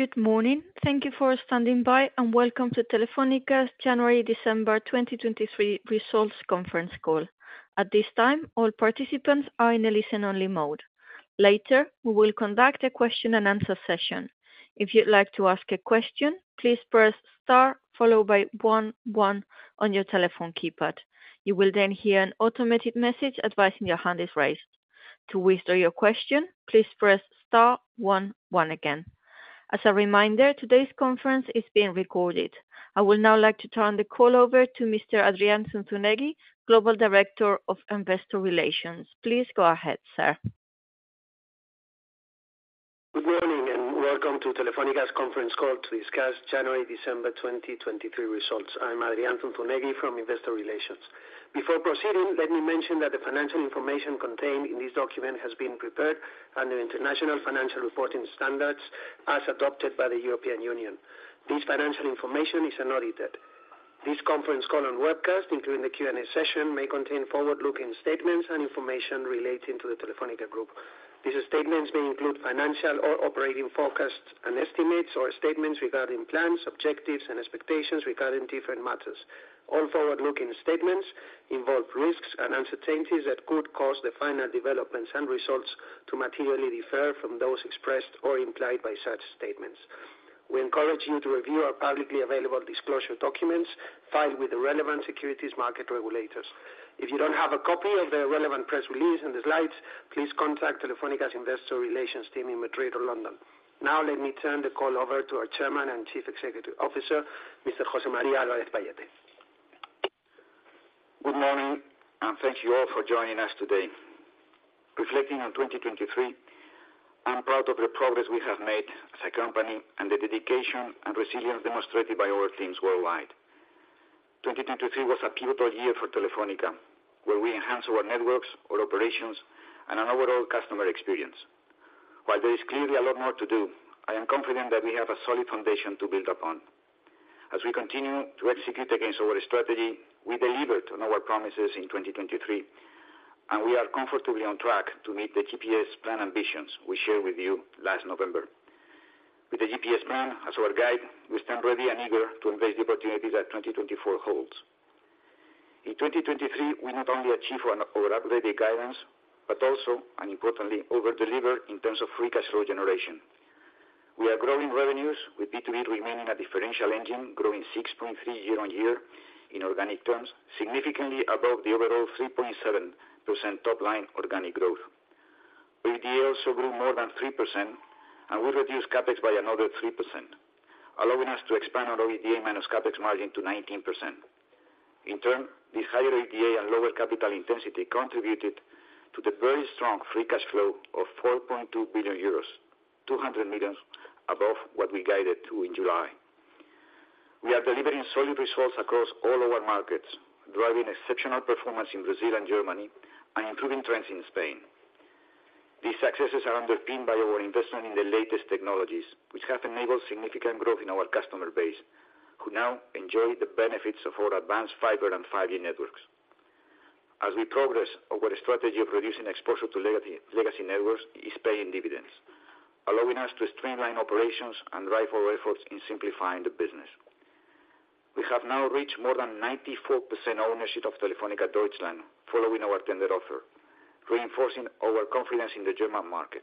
Good morning! Thank you for standing by, and welcome to Telefónica's January, December 2023 Results Conference Call. At this time, all participants are in a listen-only mode. Later, we will conduct a question-and-answer session. If you'd like to ask a question, please press star followed by one one on your telephone keypad. You will then hear an automated message advising your hand is raised. To withdraw your question, please press star one one again. As a reminder, today's conference is being recorded. I would now like to turn the call over to Mr. Adrián Zunzunegui, Global Director of Investor Relations. Please go ahead, sir. Good morning, and welcome to Telefónica's conference call to discuss January, December 2023 results. I'm Adrián Zunzunegui from Investor Relations. Before proceeding, let me mention that the financial information contained in this document has been prepared under International Financial Reporting Standards, as adopted by the European Union. This financial information is unaudited. This conference call and webcast, including the Q&A session, may contain forward-looking statements and information relating to the Telefónica group. These statements may include financial or operating forecasts and estimates or statements regarding plans, objectives, and expectations regarding different matters. All forward-looking statements involve risks and uncertainties that could cause the final developments and results to materially differ from those expressed or implied by such statements. We encourage you to review our publicly available disclosure documents filed with the relevant securities market regulators. If you don't have a copy of the relevant press release and the slides, please contact Telefónica's Investor Relations team in Madrid or London. Now, let me turn the call over to our Chairman and Chief Executive Officer, Mr. José María Álvarez-Pallete. Good morning, and thank you all for joining us today. Reflecting on 2023, I'm proud of the progress we have made as a company and the dedication and resilience demonstrated by our teams worldwide. 2023 was a pivotal year for Telefónica, where we enhanced our networks, our operations, and our overall customer experience. While there is clearly a lot more to do, I am confident that we have a solid foundation to build upon. As we continue to execute against our strategy, we delivered on our promises in 2023, and we are comfortably on track to meet the GPS Plan ambitions we shared with you last November. With the GPS Plan as our guide, we stand ready and eager to embrace the opportunities that 2024 holds. In 2023, we not only achieved our updated guidance, but also, and importantly, over-delivered in terms of free cash flow generation. We are growing revenues, with B2B remaining a differential engine, growing 6.3 year-on-year in organic terms, significantly above the overall 3.7% top line organic growth. EBITDA also grew more than 3%, and we reduced CapEx by another 3%, allowing us to expand our EBITDA minus CapEx margin to 19%. In turn, the higher EBITDA and lower capital intensity contributed to the very strong free cash flow of 4.2 billion euros, 200 million above what we guided to in July. We are delivering solid results across all our markets, driving exceptional performance in Brazil and Germany and improving trends in Spain. These successes are underpinned by our investment in the latest technologies, which have enabled significant growth in our customer base, who now enjoy the benefits of our advanced fiber and 5G networks. As we progress, our strategy of reducing exposure to legacy networks is paying dividends, allowing us to streamline operations and drive our efforts in simplifying the business. We have now reached more than 94% ownership of Telefónica Deutschland following our tender offer, reinforcing our confidence in the German market.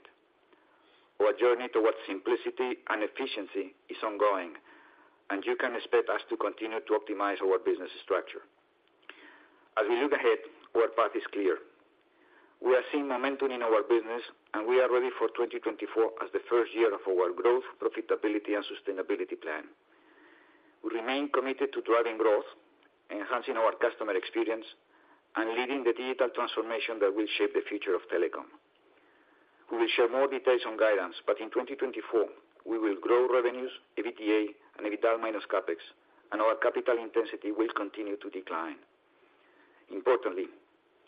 Our journey towards simplicity and efficiency is ongoing, and you can expect us to continue to optimize our business structure. As we look ahead, our path is clear. We are seeing momentum in our business, and we are ready for 2024 as the first year of our growth, profitability, and sustainability plan. We remain committed to driving growth, enhancing our customer experience, and leading the digital transformation that will shape the future of telecom. We will share more details on guidance, but in 2024, we will grow revenues, EBITDA, and EBITDA minus CapEx, and our capital intensity will continue to decline. Importantly,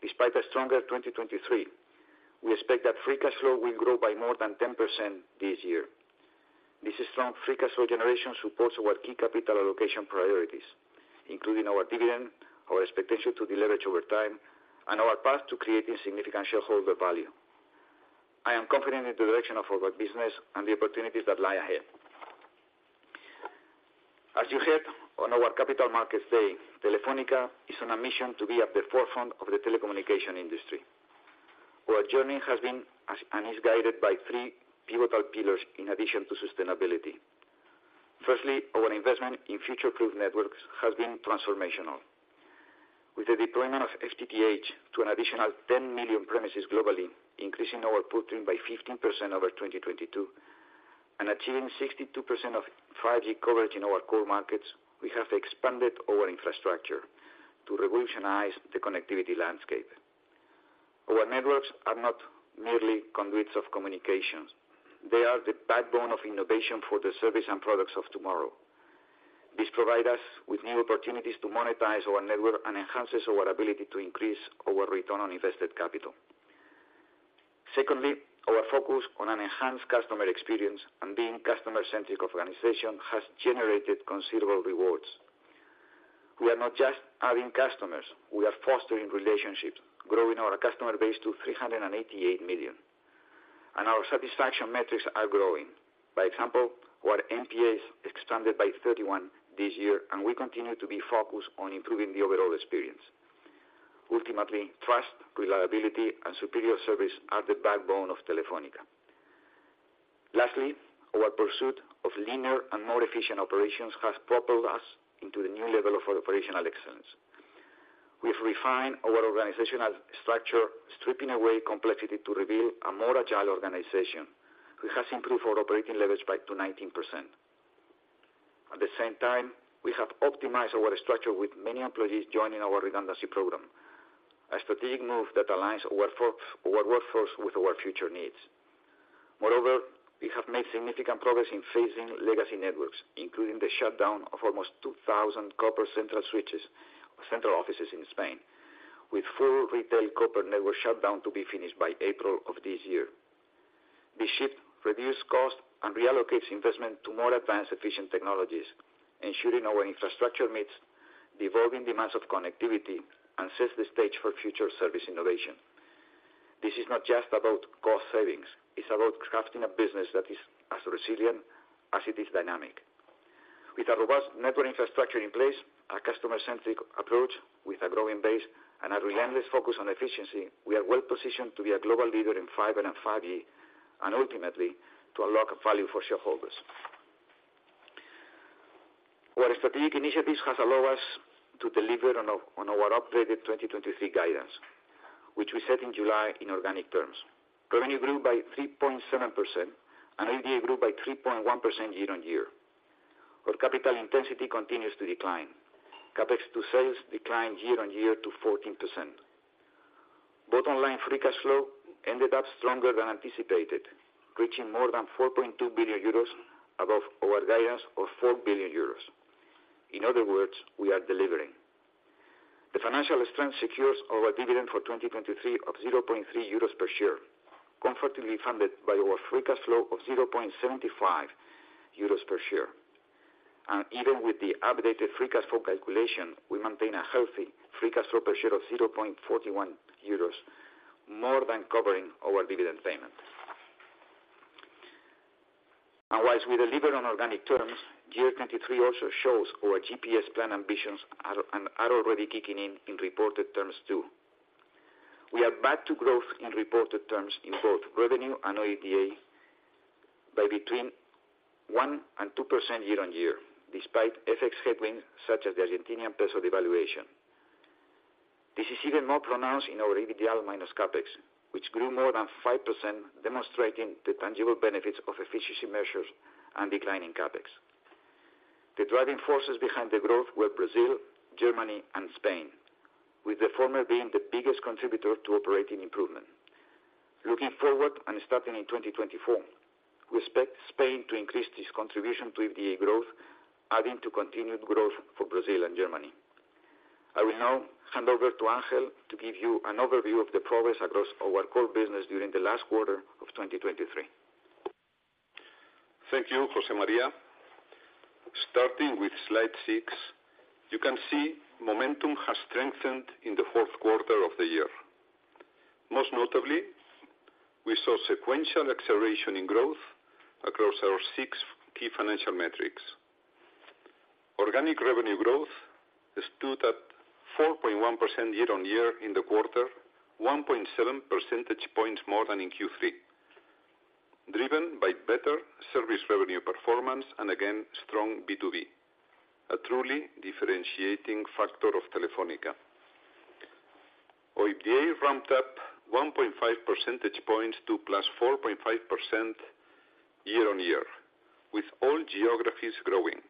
despite a stronger 2023, we expect that free cash flow will grow by more than 10% this year. This strong free cash flow generation supports our key capital allocation priorities, including our dividend, our expectation to deleverage over time, and our path to creating significant shareholder value. I am confident in the direction of our business and the opportunities that lie ahead. As you heard on our Capital Markets Day, Telefónica is on a mission to be at the forefront of the telecommunication industry. Our journey has been, as... is guided by three pivotal pillars in addition to sustainability. Firstly, our investment in future-proof networks has been transformational. With the deployment of FTTH to an additional 10 million premises globally, increasing our footprint by 15% over 2022, and achieving 62% of 5G coverage in our core markets, we have expanded our infrastructure to revolutionize the connectivity landscape. Our networks are not merely conduits of communications, they are the backbone of innovation for the service and products of tomorrow. This provide us with new opportunities to monetize our network and enhances our ability to increase our return on invested capital. Secondly, our focus on an enhanced customer experience and being customer-centric organization has generated considerable rewards. We are not just adding customers, we are fostering relationships, growing our customer base to 388 million. And our satisfaction metrics are growing. By example, our NPS expanded by 31 this year, and we continue to be focused on improving the overall experience. Ultimately, trust, reliability, and superior service are the backbone of Telefónica. Lastly, our pursuit of leaner and more efficient operations has propelled us into the new level of operational excellence. We've refined our organizational structure, stripping away complexity to reveal a more agile organization, which has improved our operating leverage by up to 19%. At the same time, we have optimized our structure with many employees joining our redundancy program, a strategic move that aligns our workforce with our future needs. Moreover, we have made significant progress in phasing legacy networks, including the shutdown of almost 2,000 copper central switches, central offices in Spain, with full retail corporate network shutdown to be finished by April of this year. This shift reduces cost and reallocates investment to more advanced, efficient technologies, ensuring our infrastructure meets the evolving demands of connectivity and sets the stage for future service innovation. This is not just about cost savings, it's about crafting a business that is as resilient as it is dynamic. With a robust network infrastructure in place, a customer-centric approach with a growing base, and a relentless focus on efficiency, we are well positioned to be a global leader in fiber and 5G, and ultimately, to unlock value for shareholders. Our strategic initiatives has allowed us to deliver on our, on our updated 2023 guidance, which we set in July in organic terms. Revenue grew by 3.7%, and OIBDA grew by 3.1% year-on-year. Our capital intensity continues to decline. CapEx to sales declined year-on-year to 14%. Both online free cash flow ended up stronger than anticipated, reaching more than 4.2 billion euros above our guidance of 4 billion euros. In other words, we are delivering. The financial strength secures our dividend for 2023 of 0.3 euros per share, comfortably funded by our free cash flow of 0.75 euros per share. And even with the updated free cash flow calculation, we maintain a healthy free cash flow per share of 0.41 euros, more than covering our dividend payment. And whilst we deliver on organic terms, year 2023 also shows our GPS Plan ambitions are, and are already kicking in, in reported terms, too. We are back to growth in reported terms in both revenue and OIBDA by between 1% and 2% year-on-year, despite FX headwinds such as the Argentinian peso devaluation. This is even more pronounced in our EBITDA minus CapEx, which grew more than 5%, demonstrating the tangible benefits of efficiency measures and declining CapEx. The driving forces behind the growth were Brazil, Germany, and Spain, with the former being the biggest contributor to operating improvement. Looking forward, and starting in 2024, we expect Spain to increase its contribution to OIBDA growth, adding to continued growth for Brazil and Germany. I will now hand over to Ángel to give you an overview of the progress across our core business during the last quarter of 2023. Thank you, José María. Starting with Slide six, you can see momentum has strengthened in the fourth quarter of the year. Most notably, we saw sequential acceleration in growth across our six key financial metrics. Organic revenue growth stood at 4.1% year-on-year in the quarter, 1.7 percentage points more than in Q3, driven by better service revenue performance and again, strong B2B, a truly differentiating factor of Telefónica. OIBDA ramped up 1.5 percentage points to +4.5% year-on-year, with all geographies growing,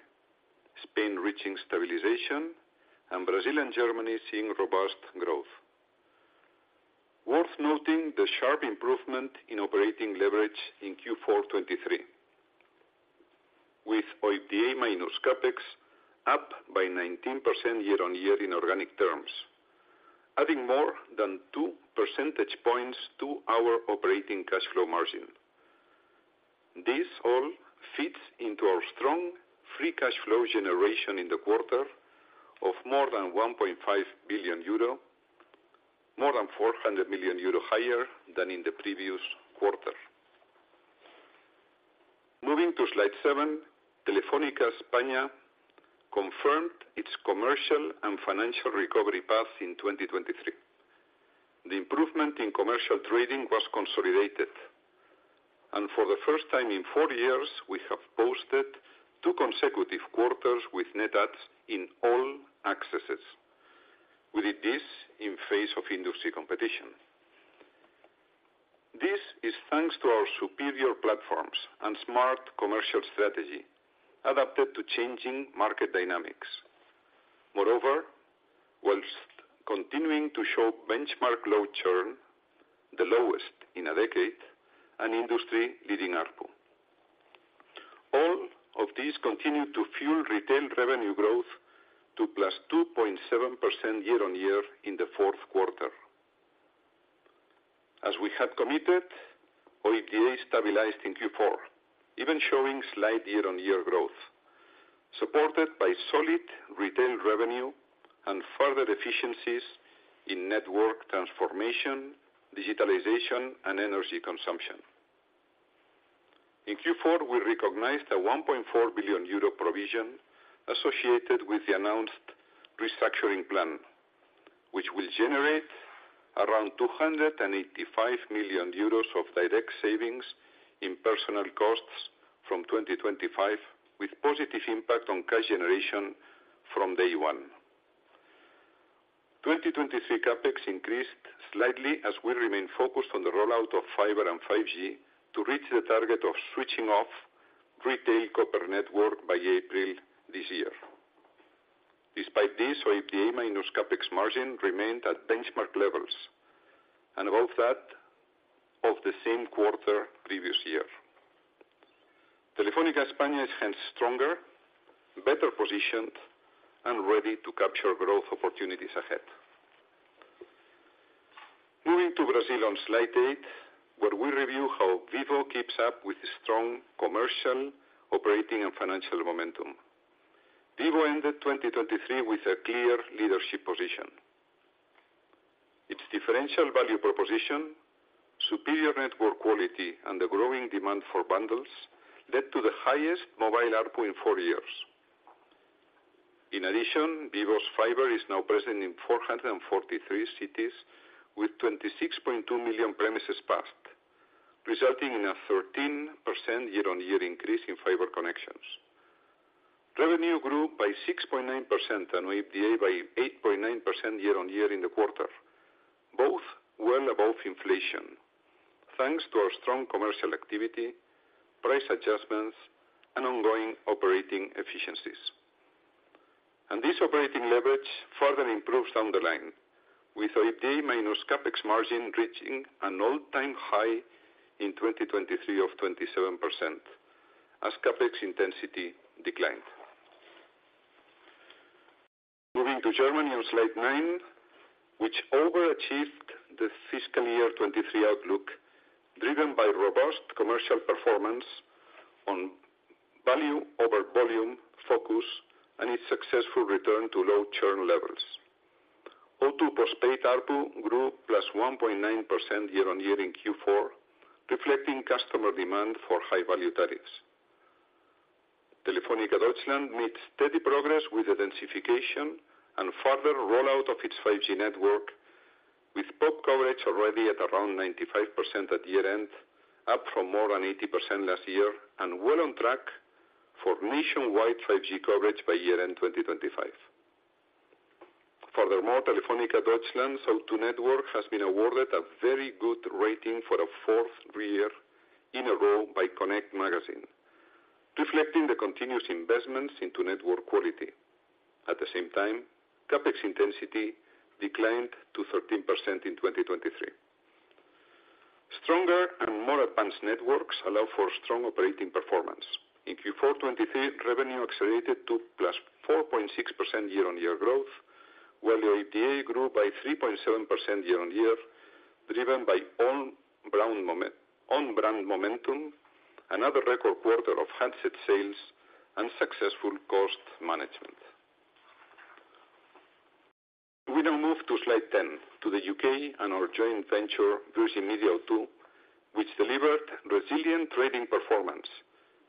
Spain reaching stabilization, and Brazil and Germany seeing robust growth. Worth noting the sharp improvement in operating leverage in Q4 2023, with OIBDA minus CapEx up by 19% year-on-year in organic terms, adding more than 2 percentage points to our operating cash flow margin. This all fits into our strong free cash flow generation in the quarter of more than 1.5 billion euro, more than 400 million euro higher than in the previous quarter. Moving to Slide seven, Telefónica España confirmed its commercial and financial recovery path in 2023. The improvement in commercial trading was consolidated, and for the first time in four years, we have posted two consecutive quarters with net adds in all accesses. We did this in face of industry competition. This is thanks to our superior platforms and smart commercial strategy, adapted to changing market dynamics. Moreover, whilst continuing to show benchmark low churn, the lowest in a decade, and industry-leading ARPU. All of these continue to fuel retail revenue growth to +2.7% year-on-year in the fourth quarter.... As we had committed, OIBDA stabilized in Q4, even showing slight year-on-year growth, supported by solid retail revenue and further efficiencies in network transformation, digitalization, and energy consumption. In Q4, we recognized a 1.4 billion euro provision associated with the announced restructuring plan, which will generate around 285 million euros of direct savings in personnel costs from 2025, with positive impact on cash generation from day one. 2023 CapEx increased slightly as we remain focused on the rollout of fiber and 5G to reach the target of switching off retail copper network by April this year. Despite this, OIBDA minus CapEx margin remained at benchmark levels and above that of the same quarter previous year. Telefónica España is hence stronger, better positioned, and ready to capture growth opportunities ahead. Moving to Brazil on slide eight, where we review how Vivo keeps up with strong commercial, operating, and financial momentum. Vivo ended 2023 with a clear leadership position. Its differential value proposition, superior network quality, and the growing demand for bundles led to the highest mobile ARPU in four years. In addition, Vivo's fiber is now present in 443 cities, with 26.2 million premises passed, resulting in a 13% year-on-year increase in fiber connections. Revenue grew by 6.9%, and OIBDA by 8.9% year-on-year in the quarter, both well above inflation, thanks to our strong commercial activity, price adjustments, and ongoing operating efficiencies. And this operating leverage further improves down the line, with OIBDA minus CapEx margin reaching an all-time high in 2023 of 27%, as CapEx intensity declined. Moving to Germany on slide 9, which overachieved the fiscal year 2023 outlook, driven by robust commercial performance on value over volume focus, and its successful return to low churn levels. O2 postpaid ARPU grew +1.9% year-on-year in Q4, reflecting customer demand for high-value tariffs. Telefónica Deutschland made steady progress with the densification and further rollout of its 5G network, with Pop coverage already at around 95% at year-end, up from more than 80% last year, and well on track for nationwide 5G coverage by year-end 2025. Furthermore, Telefónica Deutschland's O2 network has been awarded a very good rating for a fourth year in a row by Connect Magazine, reflecting the continuous investments into network quality. At the same time, CapEx intensity declined to 13% in 2023. Stronger and more advanced networks allow for strong operating performance. In Q4 2023, revenue accelerated to +4.6% year-on-year growth, while the OIBDA grew by 3.7% year-on-year, driven by own brand momentum, another record quarter of handset sales, and successful cost management. We now move to slide 10, to the U.K and our joint venture, Virgin Media O2, which delivered resilient trading performance,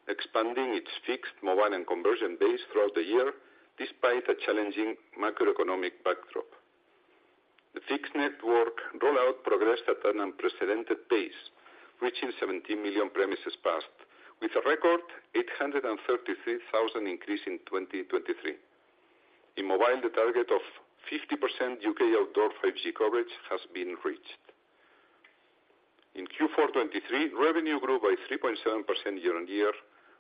expanding its fixed, mobile, and conversion base throughout the year, despite a challenging macroeconomic backdrop. The fixed network rollout progressed at an unprecedented pace, reaching 17 million premises passed, with a record 833,000 increase in 2023. In mobile, the target of 50% U.K. outdoor 5G coverage has been reached. In Q4 2023, revenue grew by 3.7% year-on-year,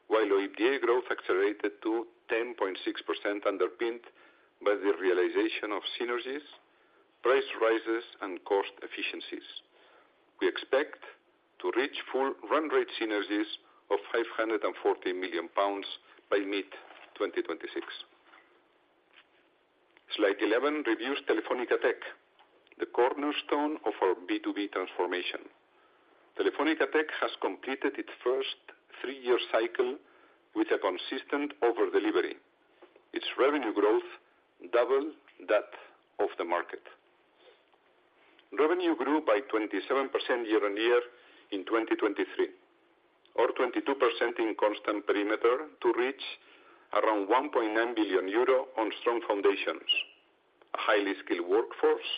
while OIBDA growth accelerated to 10.6%, underpinned by the realization of synergies, price rises, and cost efficiencies. We expect to reach full run rate synergies of 540 million pounds by mid-2026. Slide 11 reviews Telefónica Tech, the cornerstone of our B2B transformation. Telefónica Tech has completed its first three-year cycle with a consistent over-delivery. Its revenue growth double that of the market. Revenue grew by 27% year-on-year in 2023, or 22% in constant perimeter, to reach around 1.9 billion euro on strong foundations, a highly skilled workforce,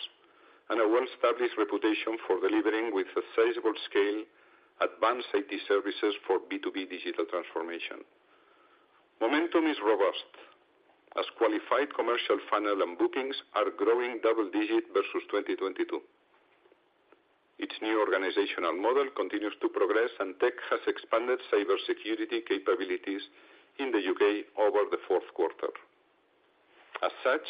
and a well-established reputation for delivering with a sizable scale, advanced IT services for B2B digital transformation. Momentum is robust, as qualified commercial funnel and bookings are growing double-digit versus 2022. Its new organizational model continues to progress, and Tech has expanded cybersecurity capabilities in the U.K. over the fourth quarter. As such,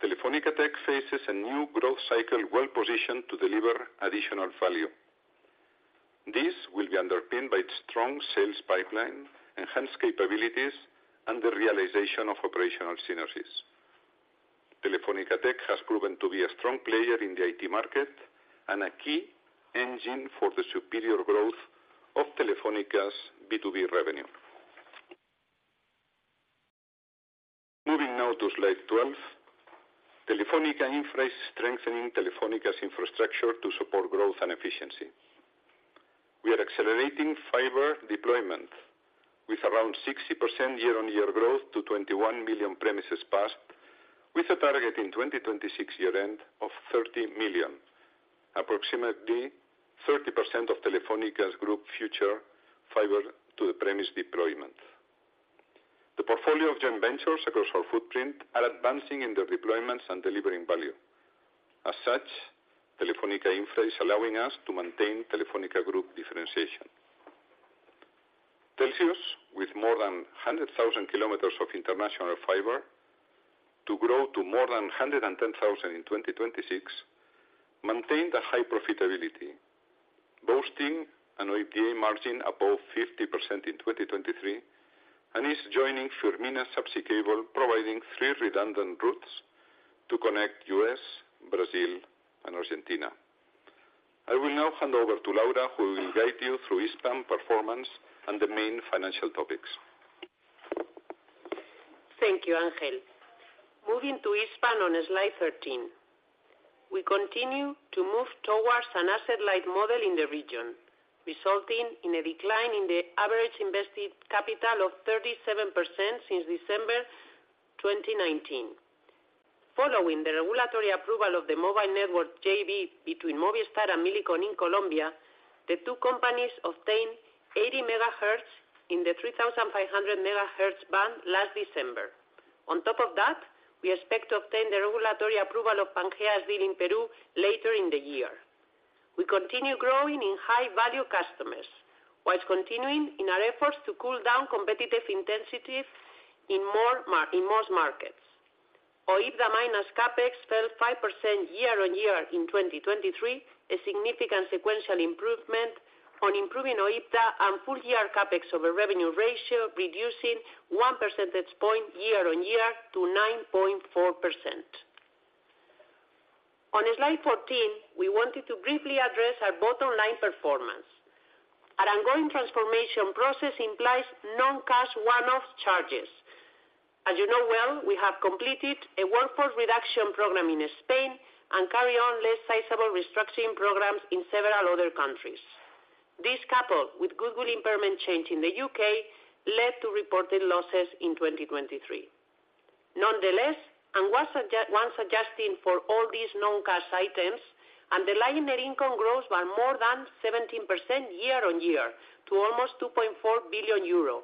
Telefónica Tech faces a new growth cycle well-positioned to deliver additional value.... This will be underpinned by its strong sales pipeline, enhanced capabilities, and the realization of operational synergies. Telefónica Tech has proven to be a strong player in the IT market, and a key engine for the superior growth of Telefónica's B2B revenue. Moving now to Slide 12, Telefónica Infra is strengthening Telefónica's infrastructure to support growth and efficiency. We are accelerating fiber deployment, with around 60% year-on-year growth to 21 million premises passed, with a target in 2026 year end of 30 million, approximately 30% of Telefónica's Group future fiber to the premise deployment. The portfolio of joint ventures across our footprint are advancing in their deployments and delivering value. As such, Telefónica Infra is allowing us to maintain Telefónica Group differentiation. Telxius, with more than 100,000 kilometers of international fiber, to grow to more than 110,000 in 2026, maintained a high profitability, boasting an OIBDA margin above 50% in 2023, and is joining Firmina Subsea Cable, providing three redundant routes to connect U.S., Brazil, and Argentina. I will now hand over to Laura, who will guide you through Hispam performance and the main financial topics. Thank you, Ángel. Moving to Hispam on Slide 13. We continue to move towards an asset-light model in the region, resulting in a decline in the average invested capital of 37% since December 2019. Following the regulatory approval of the mobile network JV between Movistar and Millicom in Colombia, the two companies obtained 80 megahertz in the 3,500 megahertz band last December. On top of that, we expect to obtain the regulatory approval of Pangea's deal in Peru later in the year. We continue growing in high-value customers, while continuing in our efforts to cool down competitive intensity in most markets. OIBDA minus CapEx fell 5% year-on-year in 2023, a significant sequential improvement on improving OIBDA and full year CapEx over revenue ratio, reducing one percentage point year-on-year to 9.4%. On Slide 14, we wanted to briefly address our bottom line performance. Our ongoing transformation process implies non-cash one-off charges. As you know well, we have completed a workforce reduction program in Spain, and carry on less sizable restructuring programs in several other countries. This, coupled with goodwill impairment charge in the U.K., led to reported losses in 2023. Nonetheless, once adjusting for all these non-cash items, underlying net income grows by more than 17% year-on-year to almost 2.4 billion euro.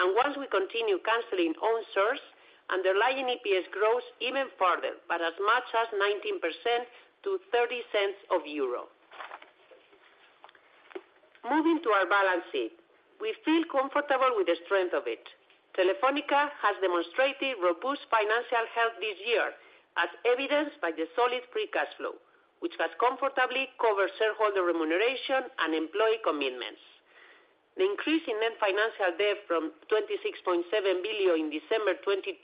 And once we continue canceling own shares, underlying EPS grows even further, by as much as 19% to 30 cents of euro. Moving to our balance sheet, we feel comfortable with the strength of it. Telefónica has demonstrated robust financial health this year, as evidenced by the solid free cash flow, which has comfortably covered shareholder remuneration and employee commitments. The increase in net financial debt from 26.7 billion in December 2022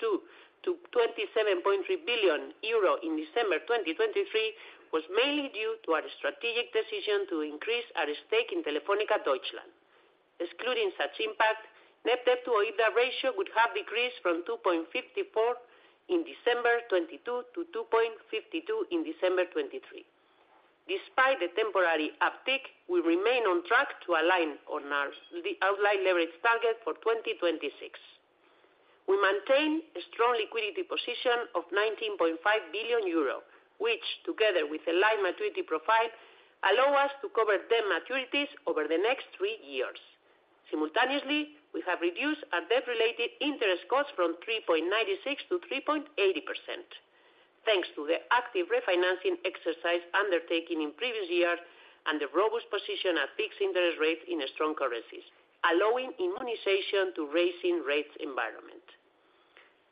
to 27.3 billion euro in December 2023 was mainly due to our strategic decision to increase our stake in Telefónica Deutschland. Excluding such impact, net debt to OIBDA ratio would have decreased from 2.54 in December 2022 to 2.52 in December 2023. Despite the temporary uptick, we remain on track to align on the outline leverage target for 2026. We maintain a strong liquidity position of 19.5 billion euro, which, together with a light maturity profile, allow us to cover debt maturities over the next three years. Simultaneously, we have reduced our debt-related interest costs from 3.96% to 3.80%, thanks to the active refinancing exercise undertaken in previous years, and the robust position at fixed interest rates in strong currencies, allowing immunization to rising rates environment.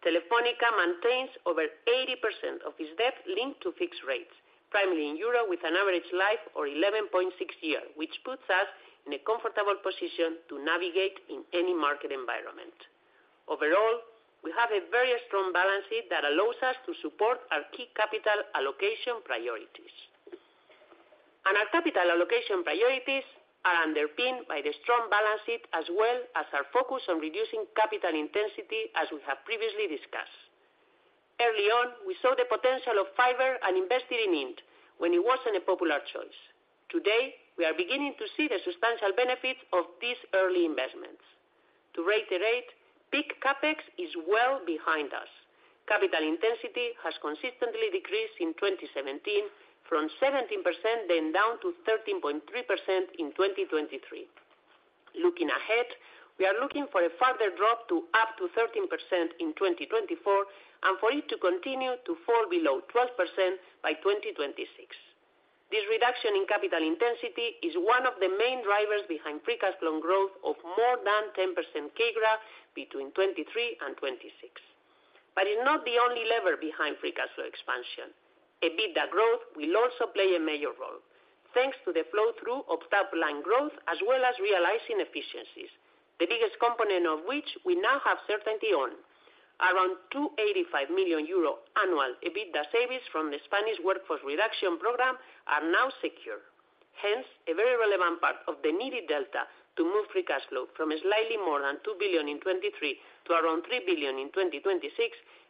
Telefónica maintains over 80% of its debt linked to fixed rates, primarily in euro, with an average life of 11.6 years, which puts us in a comfortable position to navigate in any market environment. Overall, we have a very strong balance sheet that allows us to support our key capital allocation priorities. Our capital allocation priorities are underpinned by the strong balance sheet, as well as our focus on reducing capital intensity, as we have previously discussed. Early on, we saw the potential of fiber and invested in it when it wasn't a popular choice. Today, we are beginning to see the substantial benefits of these early investments. To reiterate, peak CapEx is well behind us. Capital intensity has consistently decreased in 2017 from 17%, then down to 13.3% in 2023. Looking ahead, we are looking for a further drop to up to 13% in 2024, and for it to continue to fall below 12% by 2026. This reduction in capital intensity is one of the main drivers behind free cash flow growth of more than 10% CAGR between 2023 and 2026... but it's not the only lever behind free cash flow expansion. EBITDA growth will also play a major role, thanks to the flow-through of top-line growth, as well as realizing efficiencies, the biggest component of which we now have certainty on. Around 285 million euro annual EBITDA savings from the Spanish workforce reduction program are now secure. Hence, a very relevant part of the needed delta to move free cash flow from slightly more than 2 billion in 2023 to around 3 billion in 2026,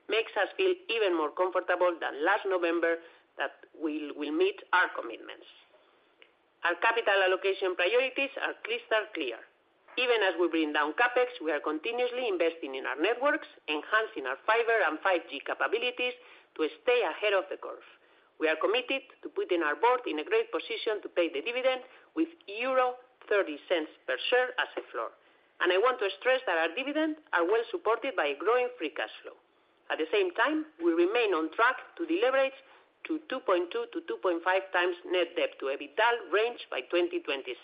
makes us feel even more comfortable than last November that we will meet our commitments. Our capital allocation priorities are crystal clear. Even as we bring down CapEx, we are continuously investing in our networks, enhancing our fiber and 5G capabilities to stay ahead of the curve. We are committed to putting our board in a great position to pay the dividend with 0.30 per share as a floor. I want to stress that our dividend are well supported by a growing free cash flow. At the same time, we remain on track to deleverage to 2.2-2.5 times net debt to EBITDA range by 2026.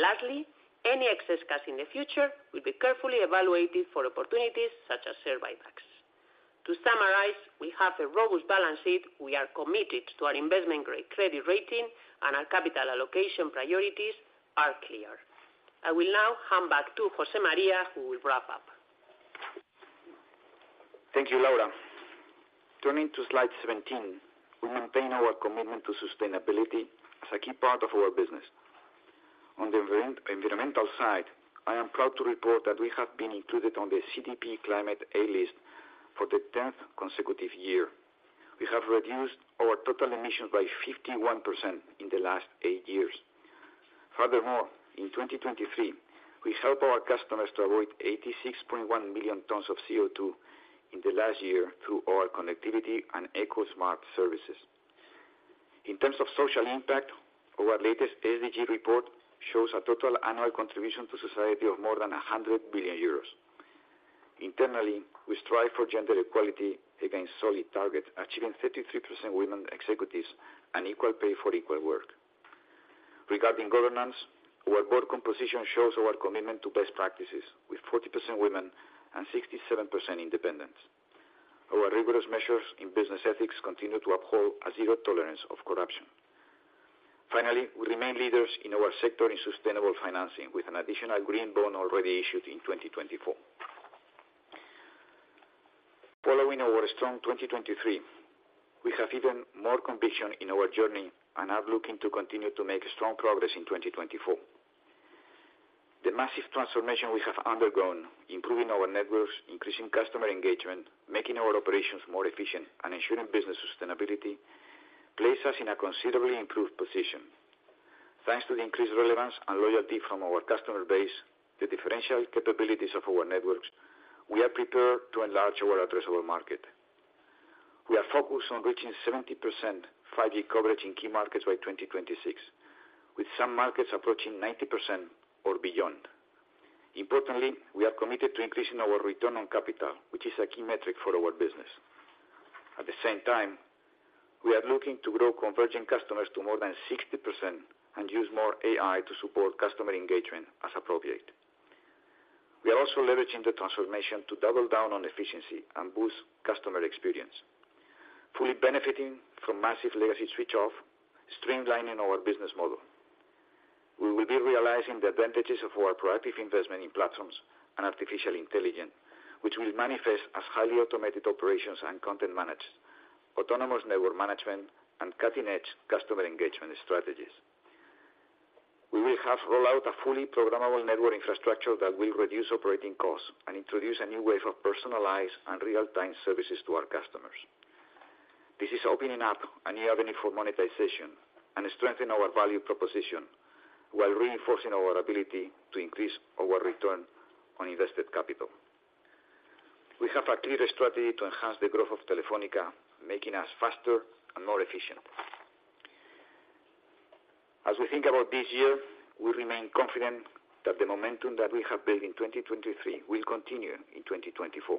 Lastly, any excess cash in the future will be carefully evaluated for opportunities such as share buybacks. To summarize, we have a robust balance sheet, we are committed to our investment-grade credit rating, and our capital allocation priorities are clear. I will now hand back to José María, who will wrap up. Thank you, Laura. Turning to Slide 17, we maintain our commitment to sustainability as a key part of our business. On the environmental side, I am proud to report that we have been included on the CDP Climate A List for the tenth consecutive year. We have reduced our total emissions by 51% in the last eight years. Furthermore, in 2023, we helped our customers to avoid 86.1 million tons of CO2 in the last year through our connectivity and eco-smart services. In terms of social impact, our latest SDG report shows a total annual contribution to society of more than 100 billion euros. Internally, we strive for gender equality against solid targets, achieving 33% women executives and equal pay for equal work. Regarding governance, our board composition shows our commitment to best practices, with 40% women and 67% independents. Our rigorous measures in business ethics continue to uphold a zero tolerance of corruption. Finally, we remain leaders in our sector in sustainable financing, with an additional green bond already issued in 2024. Following our strong 2023, we have even more conviction in our journey and are looking to continue to make strong progress in 2024. The massive transformation we have undergone, improving our networks, increasing customer engagement, making our operations more efficient, and ensuring business sustainability, places us in a considerably improved position. Thanks to the increased relevance and loyalty from our customer base, the differential capabilities of our networks, we are prepared to enlarge our addressable market. We are focused on reaching 70% 5G coverage in key markets by 2026, with some markets approaching 90% or beyond. Importantly, we are committed to increasing our return on capital, which is a key metric for our business. At the same time, we are looking to grow converging customers to more than 60% and use more AI to support customer engagement as appropriate. We are also leveraging the transformation to double down on efficiency and boost customer experience, fully benefiting from massive legacy switch off, streamlining our business model. We will be realizing the advantages of our proactive investment in platforms and artificial intelligence, which will manifest as highly automated operations and content managed, autonomous network management, and cutting-edge customer engagement strategies. We will have rolled out a fully programmable network infrastructure that will reduce operating costs and introduce a new wave of personalized and real-time services to our customers. This is opening up a new avenue for monetization and strengthen our value proposition while reinforcing our ability to increase our return on invested capital. We have a clear strategy to enhance the growth of Telefónica, making us faster and more efficient. As we think about this year, we remain confident that the momentum that we have built in 2023 will continue in 2024.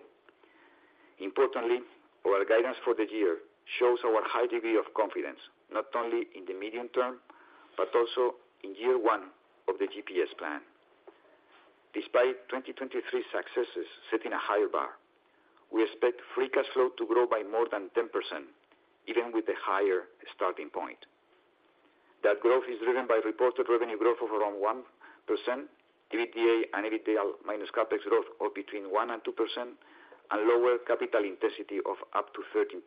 Importantly, our guidance for the year shows our high degree of confidence, not only in the medium term, but also in year one of the GPS Plan. Despite 2023 successes setting a higher bar, we expect free cash flow to grow by more than 10%, even with a higher starting point. That growth is driven by reported revenue growth of around 1%, EBITDA and EBITDA minus CapEx growth of between 1% and 2%, and lower capital intensity of up to 13%.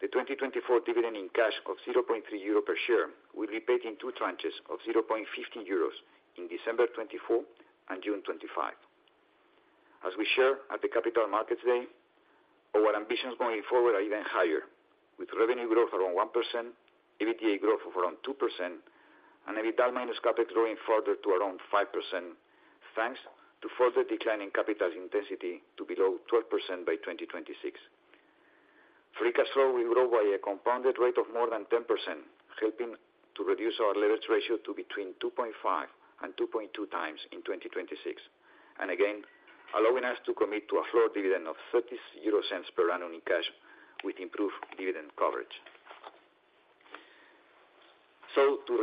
The 2024 dividend in cash of 0.3 euro per share will be paid in two tranches of 0.50 euros in December 2024 and June 2025. As we share at the Capital Markets Day, our ambitions going forward are even higher, with revenue growth around 1%, EBITDA growth of around 2%, and EBITDA minus CapEx growing further to around 5%, thanks to further declining capital intensity to below 12% by 2026. Free cash flow will grow by a compounded rate of more than 10%, helping to reduce our leverage ratio to between 2.5 and 2.2 times in 2026. Again, allowing us to commit to a floor dividend of 0.30 EUR per annum in cash with improved dividend coverage. To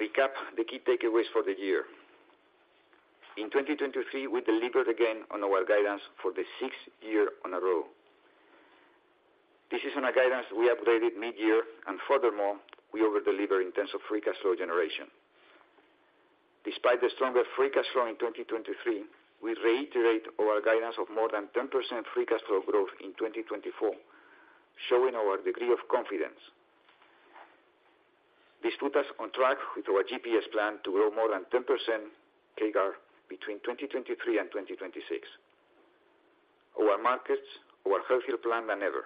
recap the key takeaways for the year. In 2023, we delivered again on our guidance for the 6th year in a row. This is on a guidance we upgraded mid-year, and furthermore, we over-deliver in terms of free cash flow generation. Despite the stronger free cash flow in 2023, we reiterate our guidance of more than 10% free cash flow growth in 2024, showing our degree of confidence. This put us on track with our GPS Plan to grow more than 10% CAGR between 2023 and 2026. Our markets are healthier than ever.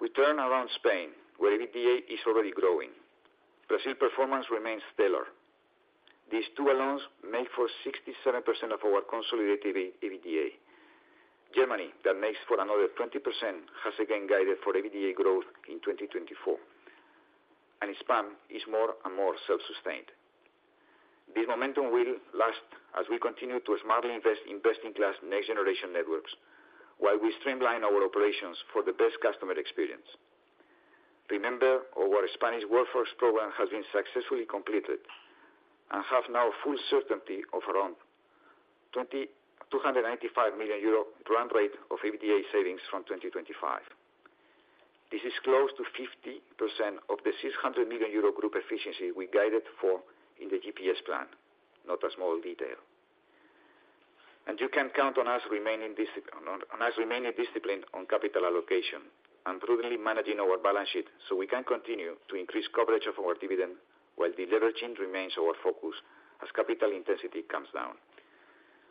We turn around Spain, where EBITDA is already growing. Brazil performance remains stellar. These two alone make for 67% of our consolidated EBITDA. Germany, that makes for another 20%, has again guided for EBITDA growth in 2024, and Spain is more and more self-sustained. This momentum will last as we continue to smartly invest in best-in-class next-generation networks, while we streamline our operations for the best customer experience. Remember, our Spanish workforce program has been successfully completed and have now full certainty of around 2,295 million euro run rate of EBITDA savings from 2025. This is close to 50% of the 600 million euro group efficiency we guided for in the GPS plan, not a small detail. You can count on us remaining disciplined on capital allocation and prudently managing our balance sheet, so we can continue to increase coverage of our dividend, while deleveraging remains our focus as capital intensity comes down.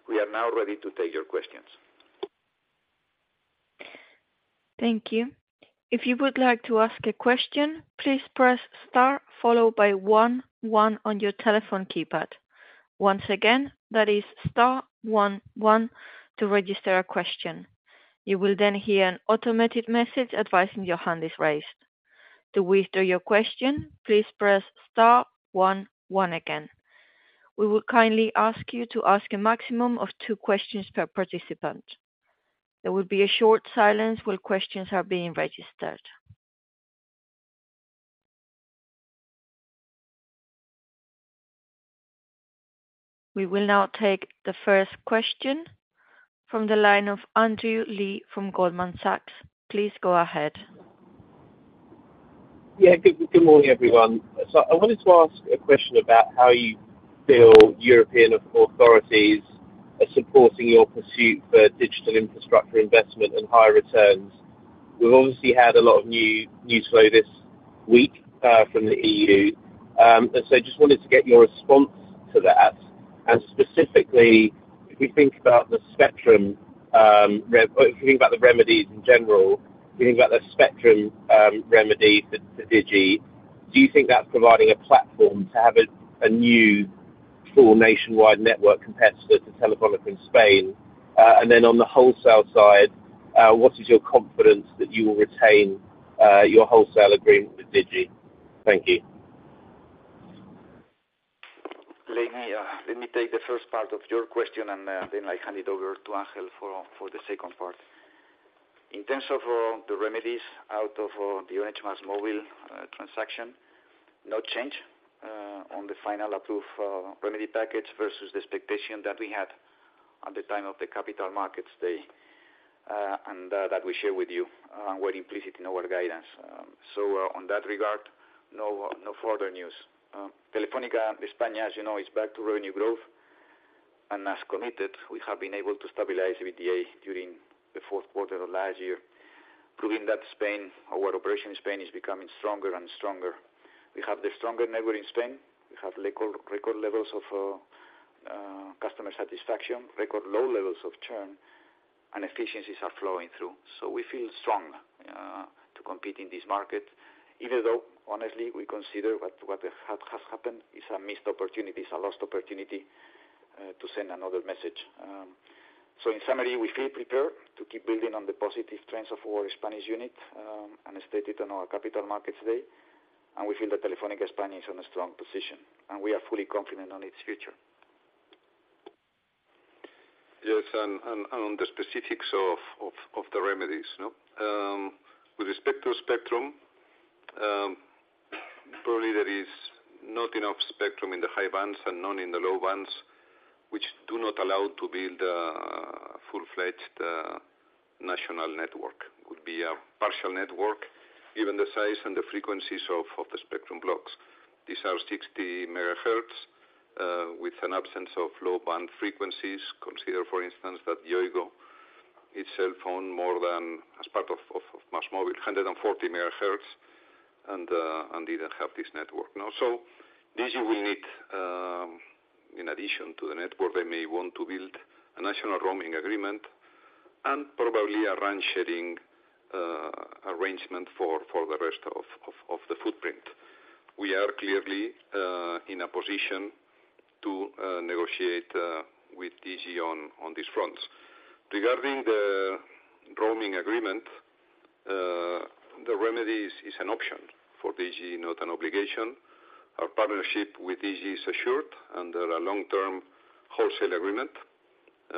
We are now ready to take your questions. Thank you. If you would like to ask a question, please press star followed by one, one on your telephone keypad. Once again, that is star one, one to register a question. You will then hear an automated message advising your hand is raised. To withdraw your question, please press star one, one again. We will kindly ask you to ask a maximum of two questions per participant. There will be a short silence while questions are being registered. We will now take the first question from the line of Andrew Lee from Goldman Sachs. Please go ahead. Yeah, good, good morning, everyone. So I wanted to ask a question about how you feel European authorities are supporting your pursuit for digital infrastructure investment and higher returns. We've obviously had a lot of new, news flow this week, from the EU. And so just wanted to get your response to that. And specifically, if you think about the spectrum, if you think about the remedies in general, if you think about the spectrum, remedy for, for Digi, do you think that's providing a platform to have a, a new full nationwide network competitor to Telefónica in Spain? And then on the wholesale side, what is your confidence that you will retain, your wholesale agreement with Digi? Thank you. Let me, let me take the first part of your question, and, then I hand it over to Angel for, for the second part. In terms of, the remedies out of, the Orange-MásMóvil, transaction, no change, on the final approved, remedy package versus the expectation that we had at the time of the Capital Markets Day, and, that we share with you, were implicit in our guidance. So, on that regard, no, no further news. Telefónica España, as you know, is back to revenue growth. And as committed, we have been able to stabilize EBITDA during the fourth quarter of last year, proving that Spain, our operation in Spain, is becoming stronger and stronger. We have the stronger network in Spain. We have record, record levels of customer satisfaction, record low levels of churn, and efficiencies are flowing through. So we feel strong to compete in this market, even though honestly, we consider what has happened is a missed opportunity, is a lost opportunity, to send another message. So in summary, we feel prepared to keep building on the positive trends of our Spanish unit, and stated on our capital markets day, and we feel that Telefónica España is in a strong position, and we are fully confident on its future. Yes, on the specifics of the remedies, no? With respect to spectrum, probably there is not enough spectrum in the high bands and none in the low bands, which do not allow to build a full-fledged national network. Would be a partial network, given the size and the frequencies of the spectrum blocks. These are 60 MHz, with an absence of low-band frequencies. Consider, for instance, that Yoigo, itself, as part of MásMóvil, 140 MHz and didn't have this network, no? So Digi will need, in addition to the network, they may want to build a national roaming agreement and probably a RAN sharing arrangement for the rest of the footprint. We are clearly in a position to negotiate with Digi on these fronts. Regarding the roaming agreement, the remedies is an option for Digi, not an obligation. Our partnership with Digi is assured under a long-term wholesale agreement.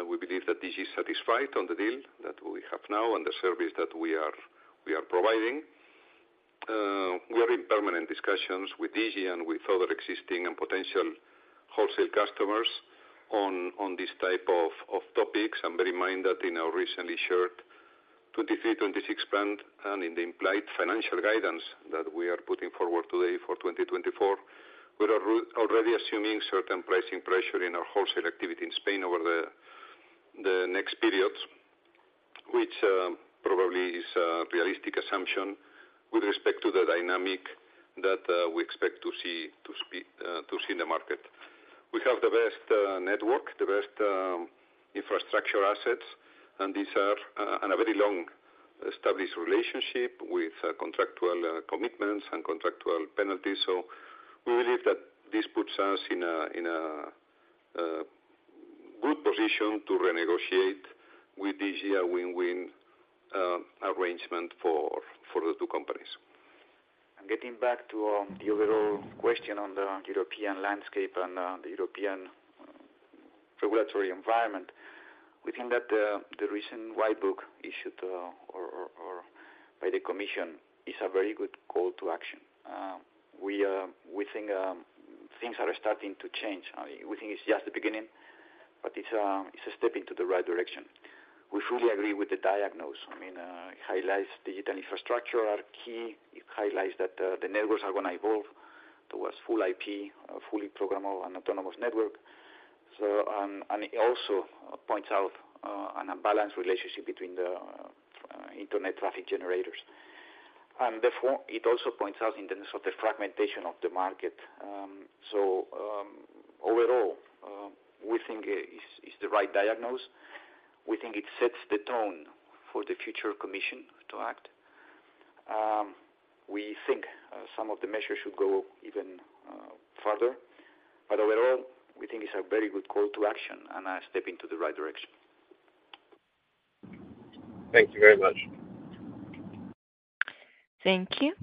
We believe that Digi is satisfied on the deal that we have now and the service that we are providing. We are in permanent discussions with Digi and with other existing and potential wholesale customers on this type of topics. Bear in mind that in our recently shared 2023-2026 plan, and in the implied financial guidance that we are putting forward today for 2024, we are already assuming certain pricing pressure in our wholesale activity in Spain over the next periods, which probably is a realistic assumption with respect to the dynamic that we expect to see in the market. We have the best network, the best infrastructure assets, and a very long established relationship with contractual commitments and contractual penalties. So we believe that this puts us in a good position to renegotiate with Digi a win-win arrangement for the two companies. Getting back to the overall question on the European landscape and the European regulatory environment, we think that the recent white paper issued by the commission is a very good call to action. We think things are starting to change. I mean, we think it's just the beginning, but it's a step in the right direction. We fully agree with the diagnosis. I mean, it highlights digital infrastructure are key. It highlights that the networks are gonna evolve towards full IP, a fully programmable and autonomous network. So, and it also points out an unbalanced relationship between the internet traffic generators. And therefore, it also points out in terms of the fragmentation of the market. So, overall, we think it's the right diagnosis. We think it sets the tone for the future commission to act. We think, some of the measures should go even farther, but overall, we think it's a very good call to action and a step into the right direction. Thank you very much. Thank you.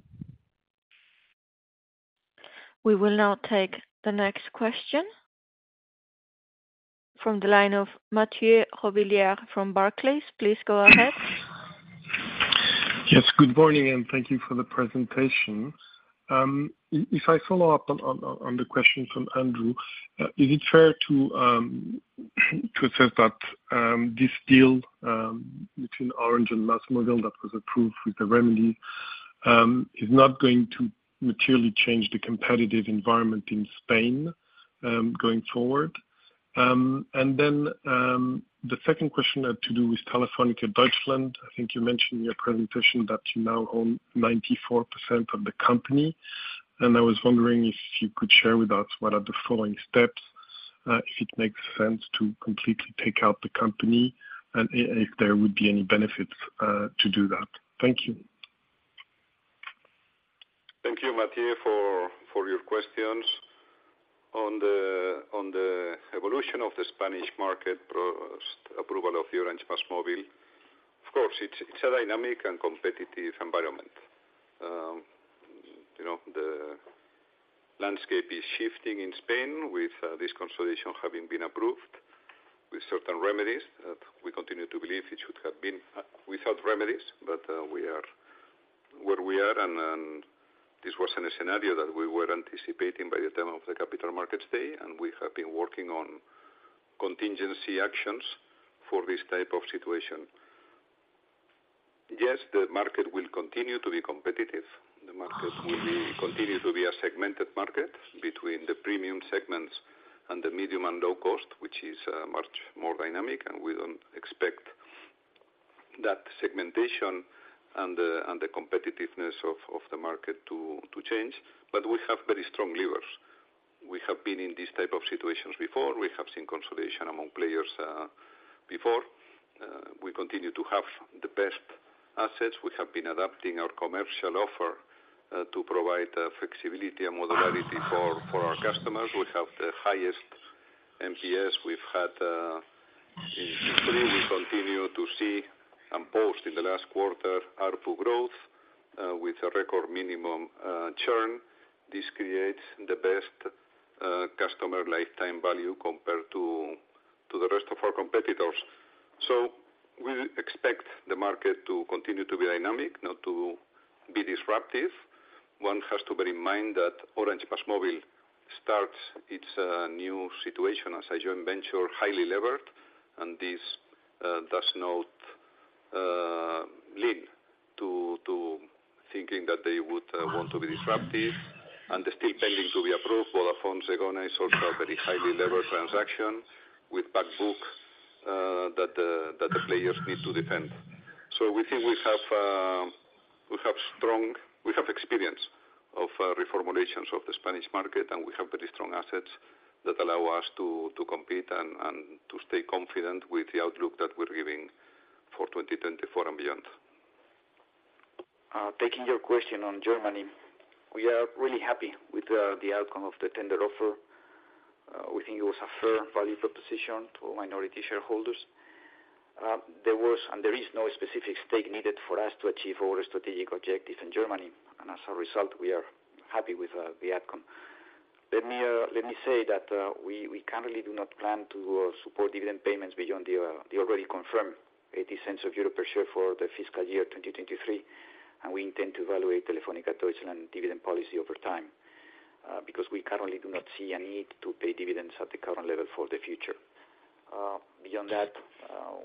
We will now take the next question from the line of Mathieu Robillard from Barclays. Please go ahead. Yes, good morning, and thank you for the presentation. If I follow up on the question from Andrew, is it fair to assess that this deal between Orange and MásMóvil, that was approved with the remedy, is not going to materially change the competitive environment in Spain, going forward? And then, the second question had to do with Telefónica Deutschland. I think you mentioned in your presentation that you now own 94% of the company, and I was wondering if you could share with us what are the following steps, if it makes sense to completely take out the company, and if there would be any benefits to do that? Thank you. Thank you, Mathieu, for your questions. On the evolution of the Spanish market post-approval of the Orange-MásMóvil, of course, it's a dynamic and competitive environment. You know, the landscape is shifting in Spain with this consolidation having been approved with certain remedies, that we continue to believe it should have been without remedies. But we are where we are, and this was in a scenario that we were anticipating by the time of the capital markets day, and we have been working on contingency actions for this type of situation. Yes, the market will continue to be competitive. The market will continue to be a segmented market between the premium segments and the medium and low cost, which is much more dynamic, and we don't expect that segmentation and the competitiveness of the market to change. But we have very strong levers. We have been in these type of situations before. We have seen consolidation among players before. We continue to have the best assets. We have been adapting our commercial offer to provide flexibility and modularity for our customers. We have the highest MPS. We've had in Q3, we continue to see and post in the last quarter ARPU growth with a record minimum churn. This creates the best customer lifetime value compared to the rest of our competitors. So we expect the market to continue to be dynamic, not to be disruptive. One has to bear in mind that Orange-MásMóvil starts its new situation as a joint venture, highly levered, and this does not lead to thinking that they would want to be disruptive. And they're still pending to be approved. Vodafone-Zegona is also a very highly levered transaction with back book that the players need to defend. So we think we have, we have experience of reformulations of the Spanish market, and we have very strong assets that allow us to compete and to stay confident with the outlook that we're giving for 2024 and beyond. Taking your question on Germany, we are really happy with the outcome of the tender offer. We think it was a fair value proposition to minority shareholders. There was and there is no specific stake needed for us to achieve our strategic objectives in Germany, and as a result, we are happy with the outcome. Let me say that we currently do not plan to support dividend payments beyond the already confirmed 0.80 per share for the fiscal year 2023, and we intend to evaluate Telefónica Deutschland dividend policy over time, because we currently do not see a need to pay dividends at the current level for the future. Beyond that,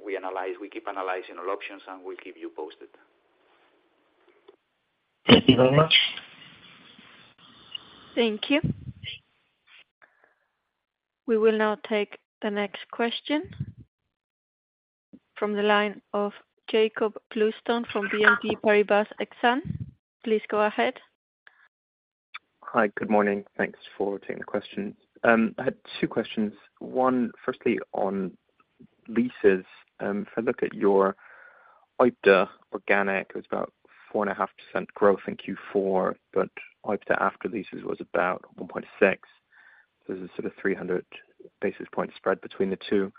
we analyze, we keep analyzing all options, and we'll keep you posted. Thank you very much. Thank you. We will now take the next question from the line of Jakob Bluestone from BNP Paribas Exane. Please go ahead. Hi. Good morning. Thanks for taking the question. I had two questions. One, firstly, on leases. If I look at your OIBDA, organic, it was about 4.5% growth in Q4, but OIBDA after leases was about 1.6. There's a sort of 300 basis point spread between the two.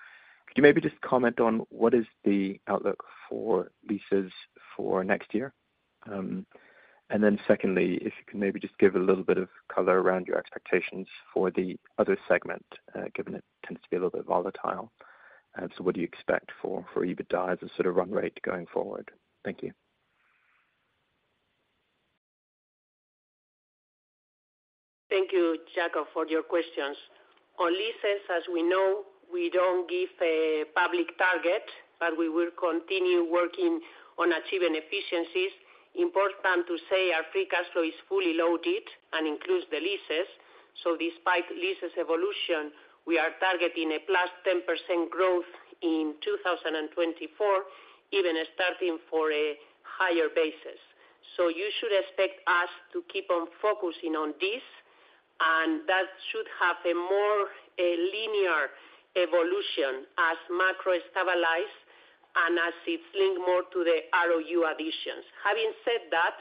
Could you maybe just comment on what is the outlook for leases for next year? And then secondly, if you could maybe just give a little bit of color around your expectations for the other segment, given it tends to be a little bit volatile. So what do you expect for EBITDA as a sort of run rate going forward? Thank you. Thank you, Jakob, for your questions. On leases, as we know, we don't give a public target, but we will continue working on achieving efficiencies. Important to say our free cash flow is fully loaded and includes the leases. So despite leases evolution, we are targeting a plus 10% growth in 2024, even starting for a higher basis. So you should expect us to keep on focusing on this, and that should have a more linear evolution as macro stabilize and as it's linked more to the ROU additions. Having said that,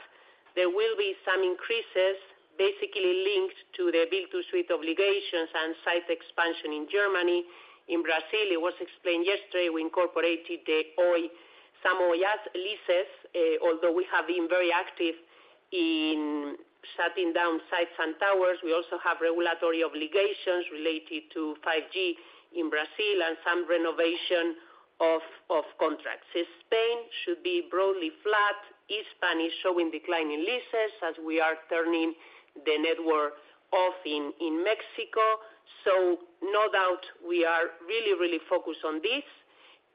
there will be some increases basically linked to the build-to-suit obligations and site expansion in Germany. In Brazil, it was explained yesterday, we incorporated the Oi some Oi leases, although we have been very active in shutting down sites and towers. We also have regulatory obligations related to 5G in Brazil and some renovation of contracts. In Spain should be broadly flat. Hispam is showing decline in leases as we are turning the network off in Mexico. So no doubt we are really, really focused on this.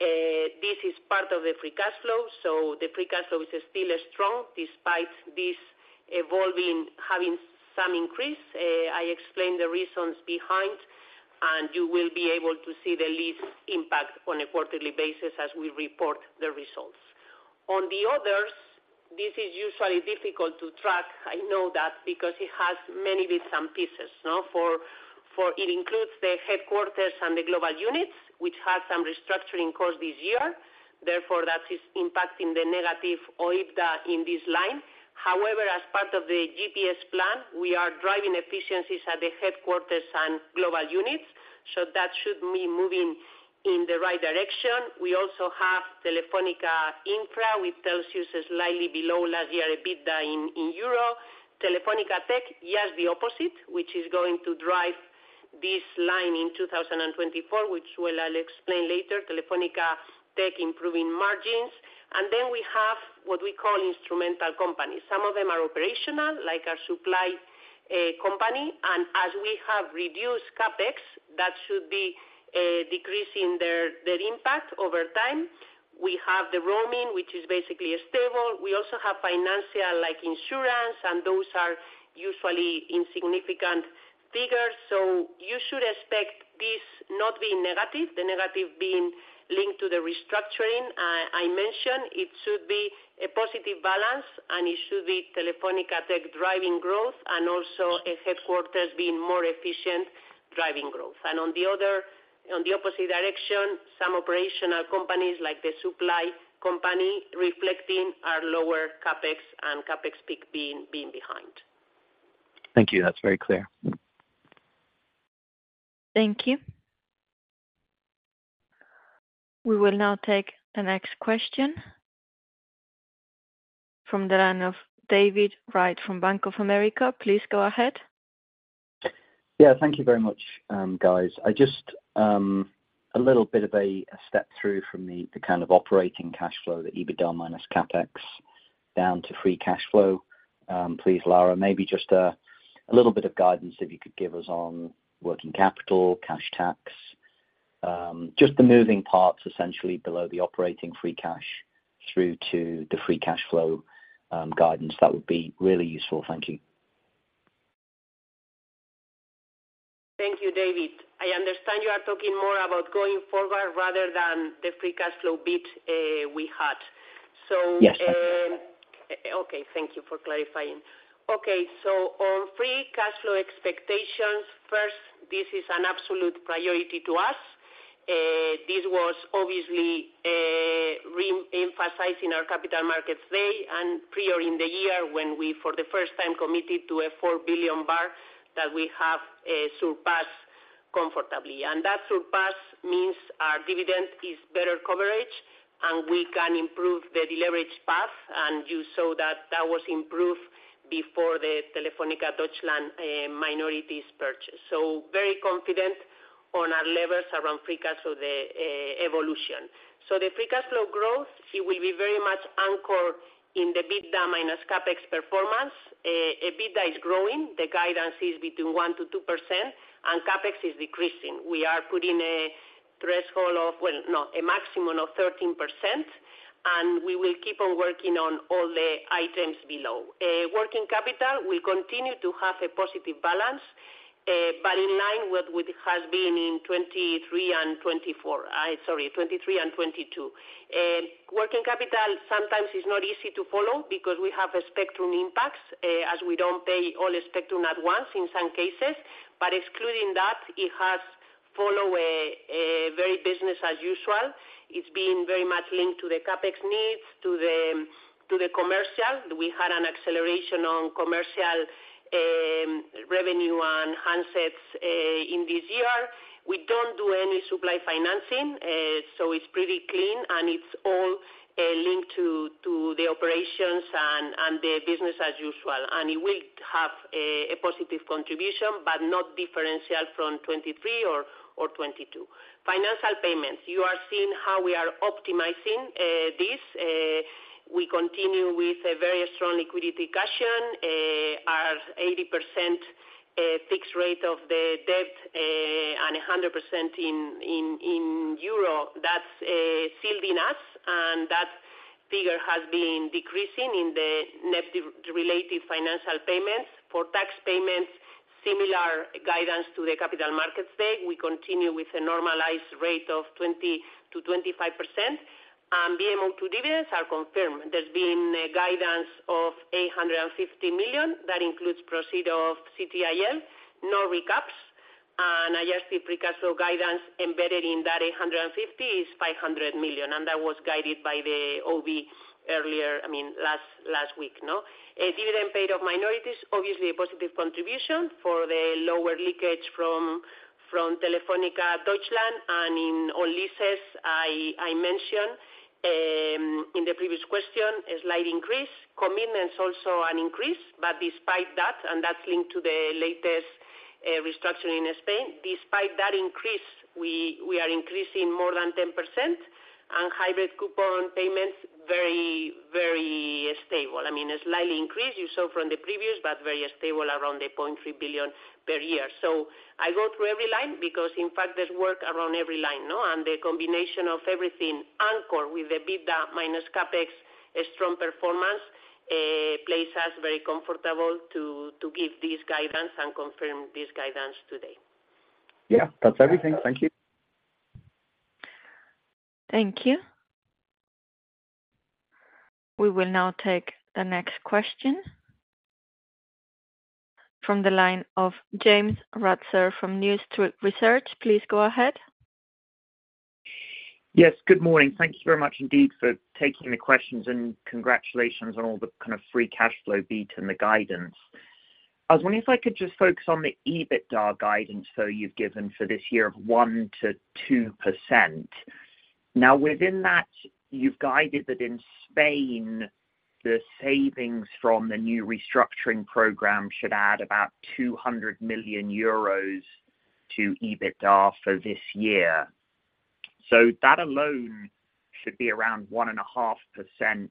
This is part of the free cash flow, so the free cash flow is still strong despite this evolving, having some increase. I explained the reasons behind, and you will be able to see the lease impact on a quarterly basis as we report the results. On the others, this is usually difficult to track. I know that because it has many bits and pieces, no? For it includes the headquarters and the global units, which had some restructuring costs this year. Therefore, that is impacting the negative OIBDA in this line. However, as part of the GPS Plan, we are driving efficiencies at the headquarters and global units, so that should be moving in the right direction. We also have Telefónica Infra, with those users slightly below last year, EBITDA in euros. Telefónica Tech, yes, the opposite, which is going to drive this line in 2024, which well, I'll explain later, Telefónica Tech improving margins. And then we have what we call instrumental companies. Some of them are operational, like our supply company, and as we have reduced CapEx, that should be decreasing their impact over time. We have the roaming, which is basically stable. We also have financial, like insurance, and those are usually insignificant figures. So you should expect this not being negative, the negative being linked to the restructuring I mentioned. It should be a positive balance, and it should be Telefónica Tech driving growth and also a headquarters being more efficient, driving growth. And on the other, on the opposite direction, some operational companies, like the supply company, reflecting our lower CapEx and CapEx peak being behind. Thank you. That's very clear. Thank you. We will now take the next question from the line of David Wright from Bank of America. Please go ahead. Yeah, thank you very much, guys. I just a little bit of a step through from the kind of operating cash flow, the EBITDA minus CapEx, down to free cash flow. Please, Laura, maybe just a little bit of guidance, if you could give us on working capital, cash tax, just the moving parts, essentially, below the operating free cash through to the free cash flow guidance. That would be really useful. Thank you. Thank you, David. I understand you are talking more about going forward rather than the free cash flow bit we had. So, Yes. Okay, thank you for clarifying. Okay, so on free cash flow expectations, first, this is an absolute priority to us. This was obviously emphasized in our Capital Markets Day and prior in the year when we, for the first time, committed to 4 billion, that we have surpassed comfortably. And that surpass means our dividend is better coverage, and we can improve the deleverage path. And you saw that that was improved before the Telefónica Deutschland minorities purchase. So very confident on our levels around free cash flow, the evolution. So the free cash flow growth, it will be very much anchored in the EBITDA minus CapEx performance. EBITDA is growing. The guidance is between 1%-2%, and CapEx is decreasing. We are putting a threshold of, well, no, a maximum of 13%, and we will keep on working on all the items below. Working capital, we continue to have a positive balance, but in line with it has been in 2023 and 2024. Sorry, 2023 and 2022. Working capital sometimes is not easy to follow because we have a spectrum impacts, as we don't pay all the spectrum at once in some cases. But excluding that, it has followed a very business as usual. It's been very much linked to the CapEx needs, to the commercial. We had an acceleration on commercial revenue on handsets, in this year. We don't do any supply financing, so it's pretty clean, and it's all linked to the operations and the business as usual. It will have a positive contribution, but not differential from 2023 or 2022. Financial payments, you are seeing how we are optimizing this. We continue with a very strong liquidity position. Our 80% fixed rate of the debt and 100% in euro, that's still with us. And that figure has been decreasing in the net debt-related financial payments. For tax payments, similar guidance to the Capital Markets Day. We continue with a normalized rate of 20%-25%, and VMO2 dividends are confirmed. There's been a guidance of 850 million. That includes proceeds of CTIL, no recaps, and the free cash flow guidance embedded in that 850 million is 500 million, and that was guided by the CFO earlier, I mean, last week, no? Dividend paid of minorities, obviously a positive contribution for the lower leakage from Telefónica Deutschland. And on leases, I mentioned in the previous question a slight increase. Commitments also an increase, but despite that, and that's linked to the latest restructuring in Spain, despite that increase, we are increasing more than 10%. And hybrid coupon payments, very, very stable. I mean, a slightly increase you saw from the previous, but very stable around 0.3 billion per year. So I go through every line because, in fact, there's work around every line, no? And the combination of everything anchored with the EBITDA minus CapEx, a strong performance, places us very comfortable to give this guidance and confirm this guidance today. Yeah, that's everything. Thank you. Thank you. We will now take the next question from the line of James Ratzer from New Street Research. Please go ahead. Yes, good morning. Thank you very much indeed for taking the questions, and congratulations on all the kind of free cash flow beat and the guidance. I was wondering if I could just focus on the EBITDA guidance, so you've given for this year of 1%-2%. Now, within that, you've guided that in Spain, the savings from the new restructuring program should add about 200 million euros to EBITDA for this year. So that alone should be around 1.5%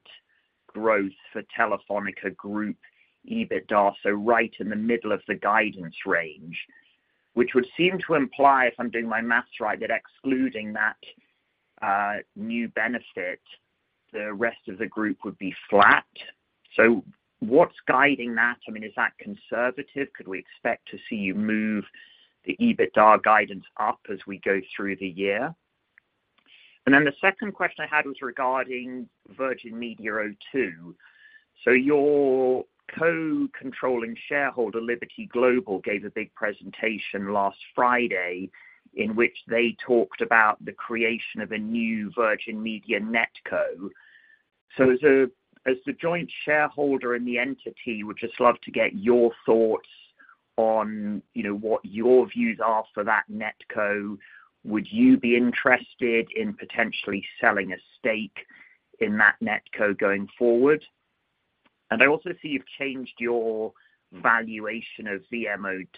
growth for Telefónica group EBITDA, so right in the middle of the guidance range. Which would seem to imply, if I'm doing my math right, that excluding that, new benefit, the rest of the group would be flat. So what's guiding that? I mean, is that conservative? Could we expect to see you move the EBITDA guidance up as we go through the year? And then the second question I had was regarding Virgin Media O2. So your co-controlling shareholder, Liberty Global, gave a big presentation last Friday, in which they talked about the creation of a new Virgin Media NetCo. So as the joint shareholder in the entity, would just love to get your thoughts on, you know, what your views are for that net co. Would you be interested in potentially selling a stake in that net co going forward? And I also see you've changed your valuation of VMO2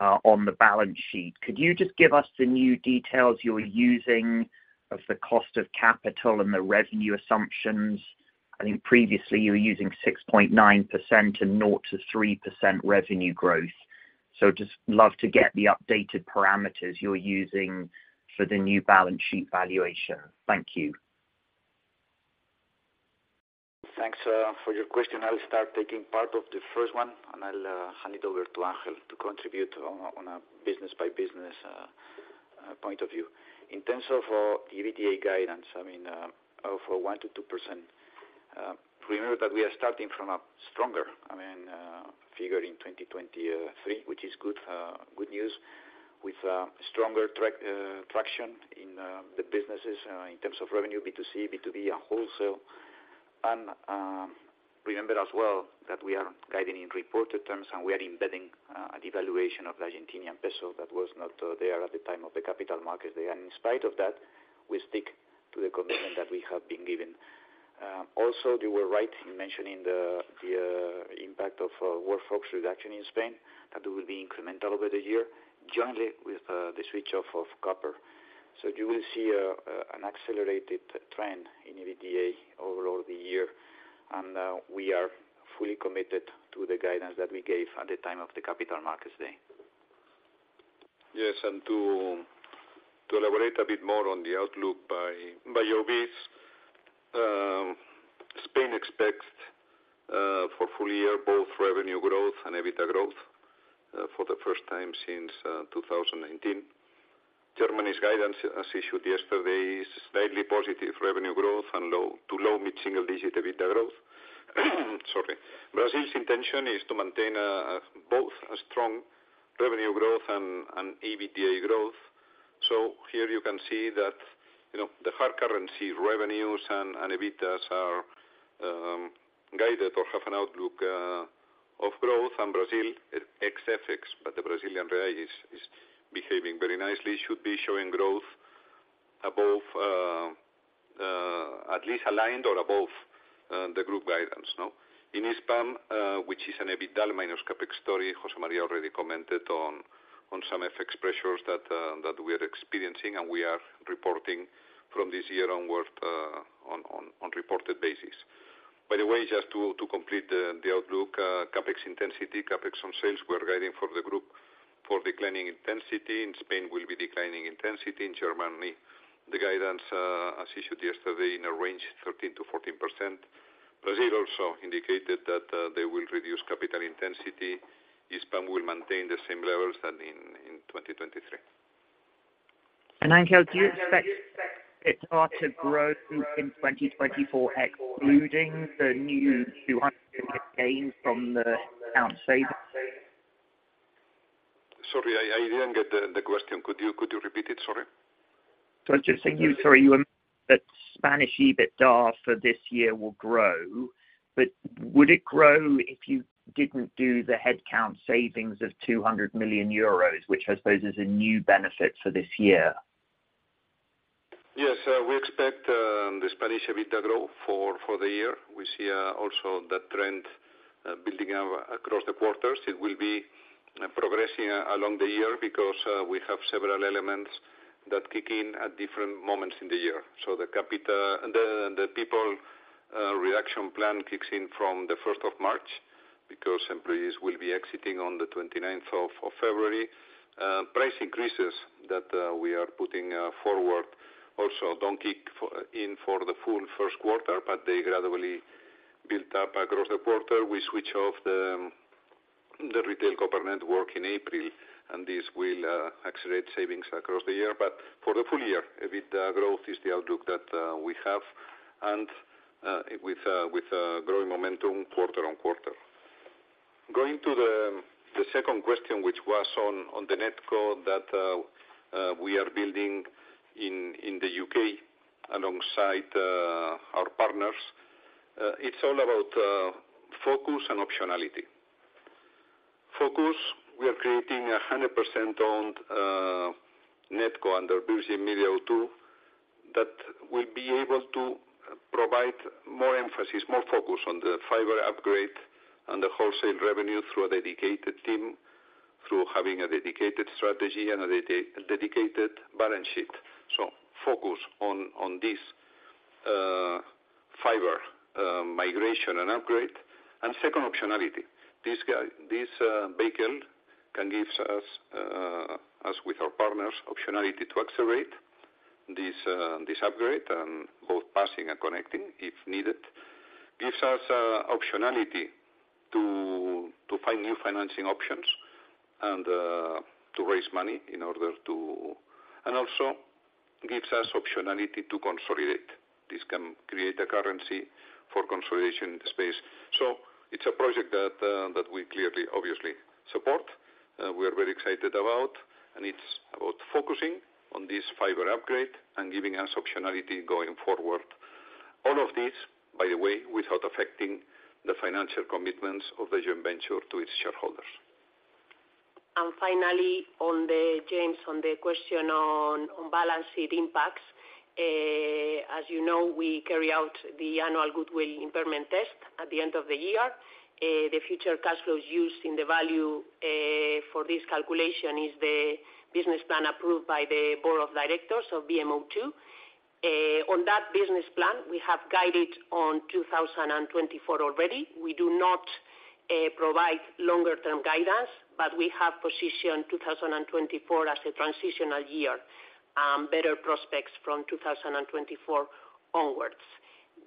on the balance sheet. Could you just give us the new details you're using of the cost of capital and the revenue assumptions? I think previously you were using 6.9% and 0%-3% revenue growth. So, just love to get the updated parameters you're using for the new balance sheet valuation. Thank you. Thanks for your question. I'll start taking part of the first one, and I'll hand it over to Ángel to contribute on a business-by-business point of view. In terms of EBITDA guidance, I mean, for 1%-2%. Remember that we are starting from a stronger, I mean, figure in 2023, which is good, good news with, stronger traction in, the businesses, in terms of revenue, B2C, B2B, and wholesale. Remember as well, that we are guiding in reported terms, and we are embedding, a devaluation of the Argentine peso that was not there at the time of the capital markets day. And in spite of that, we stick to the commitment that we have been given. Also, you were right in mentioning the, the, impact of, workforce reduction in Spain, that will be incremental over the year, jointly with, the switch off of copper. You will see an accelerated trend in EBITDA over the year, and we are fully committed to the guidance that we gave at the time of the Capital Markets Day. Yes, and to elaborate a bit more on the outlook by your beats. Spain expects for full year both revenue growth and EBITDA growth for the first time since 2019. Germany's guidance as issued yesterday is slightly positive revenue growth and low- to low mid-single-digit EBITDA growth. Sorry. Brazil's intention is to maintain both a strong revenue growth and EBITDA growth. So here you can see that, you know, the hard currency revenues and EBITDAs are guided or have an outlook of growth, and Brazil ex FX, but the Brazilian real is behaving very nicely, should be showing growth above at least aligned or above the group guidance, no? In Hispam, which is an EBITDA minus CapEx story, José María already commented on some FX pressures that we are experiencing, and we are reporting from this year onward on reported basis. By the way, just to complete the outlook, CapEx intensity, CapEx on sales, we're guiding for the group for declining intensity. In Spain will be declining intensity. In Germany, the guidance as issued yesterday in a range 13%-14%. Brazil also indicated that they will reduce capital intensity. Hispam will maintain the same levels as in 2023. Ángel, do you expect EBITDA to grow in 2024, excluding the new 200 gain from the headcount savings? Sorry, I didn't get the question. Could you repeat it? Sorry. I'm just saying you—sorry, you said that Spanish EBITDA for this year will grow, but would it grow if you didn't do the headcount savings of 200 million euros, which I suppose is a new benefit for this year? Yes, we expect the Spanish EBITDA growth for the year. We see also that trend building up across the quarters. It will be progressing along the year because we have several elements that kick in at different moments in the year. So the people reduction plan kicks in from the first of March, because employees will be exiting on the 29th of February. Price increases that we are putting forward also don't kick in for the full first quarter, but they gradually build up across the quarter. We switch off the retail copper network in April, and this will accelerate savings across the year. But for the full year, EBITDA growth is the outlook that we have, and with a growing momentum quarter-on-quarter. Going to the second question, which was on the NetCo that we are building in the U.K., alongside our partners. It's all about focus and optionality. Focus, we are creating a 100% owned NetCo under Virgin Media O2, that will be able to provide more emphasis, more focus on the fiber upgrade and the wholesale revenue through a dedicated team, through having a dedicated strategy and a dedicated balance sheet. So focus on this fiber migration and upgrade. And second, optionality. This vehicle can gives us us with our partners, optionality to accelerate this upgrade and both passing and connecting, if needed. Gives us optionality to find new financing options and to raise money in order to... And also gives us optionality to consolidate. This can create a currency for consolidation in the space. So it's a project that we clearly, obviously support, we are very excited about, and it's about focusing on this fiber upgrade and giving us optionality going forward. All of this, by the way, without affecting the financial commitments of the joint venture to its shareholders. And finally, James, on the question on balance sheet impacts. As you know, we carry out the annual goodwill impairment test at the end of the year. The future cash flows used in the value for this calculation is the business plan approved by the board of directors, so VMO2. On that business plan, we have guided on 2024 already. We do not provide longer term guidance, but we have positioned 2024 as a transitional year, better prospects from 2024 onwards.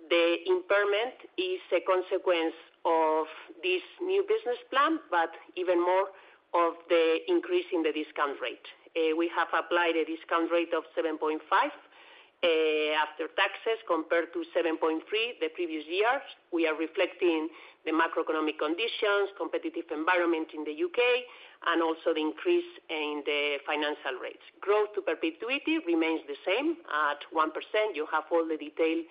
The impairment is a consequence of this new business plan, but even more of the increase in the discount rate. We have applied a discount rate of 7.5, after taxes, compared to 7.3 the previous years. We are reflecting the macroeconomic conditions, competitive environment in the UK, and also the increase in the financial rates. Growth to perpetuity remains the same at 1%. You have all the detail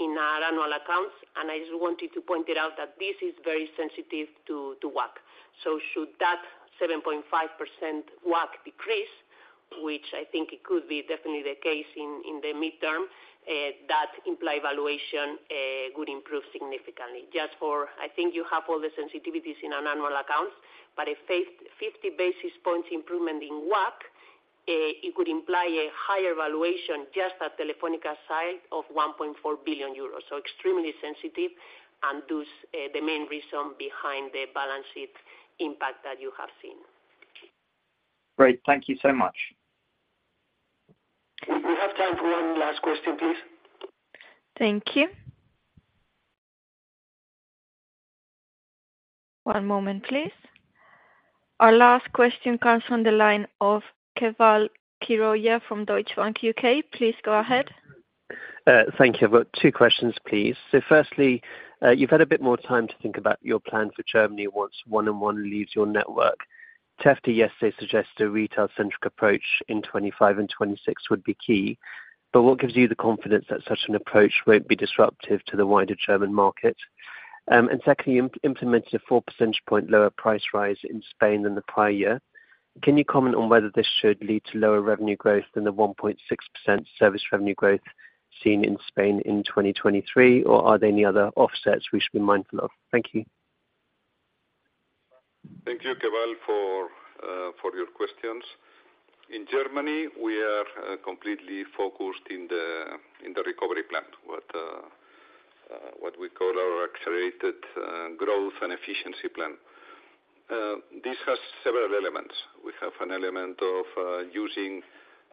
in our annual accounts, and I just wanted to point it out that this is very sensitive to WACC. So should that 7.5% WACC decrease, which I think it could be definitely the case in the midterm, that implied valuation would improve significantly. Just for... I think you have all the sensitivities in our annual accounts, but a fifty basis points improvement in WACC, it would imply a higher valuation just at Telefónica side of 1.4 billion euros. So extremely sensitive, and thus, the main reason behind the balance sheet impact that you have seen. Great. Thank you so much. We have time for one last question, please. Thank you. One moment, please. Our last question comes from the line of Keval Khiroya from Deutsche Bank, UK. Please go ahead. Thank you. I've got two questions, please. So firstly, you've had a bit more time to think about your plan for Germany once 1&1 leaves your network. TEF D yesterday suggested a retail-centric approach in 2025 and 2026 would be key, but what gives you the confidence that such an approach won't be disruptive to the wider German market? And secondly, you implemented a four percentage point lower price rise in Spain than the prior year. Can you comment on whether this should lead to lower revenue growth than the 1.6% service revenue growth seen in Spain in 2023, or are there any other offsets we should be mindful of? Thank you. Thank you, Keval, for your questions. In Germany, we are completely focused in the recovery plan, what we call our accelerated growth and efficiency plan. This has several elements. We have an element of using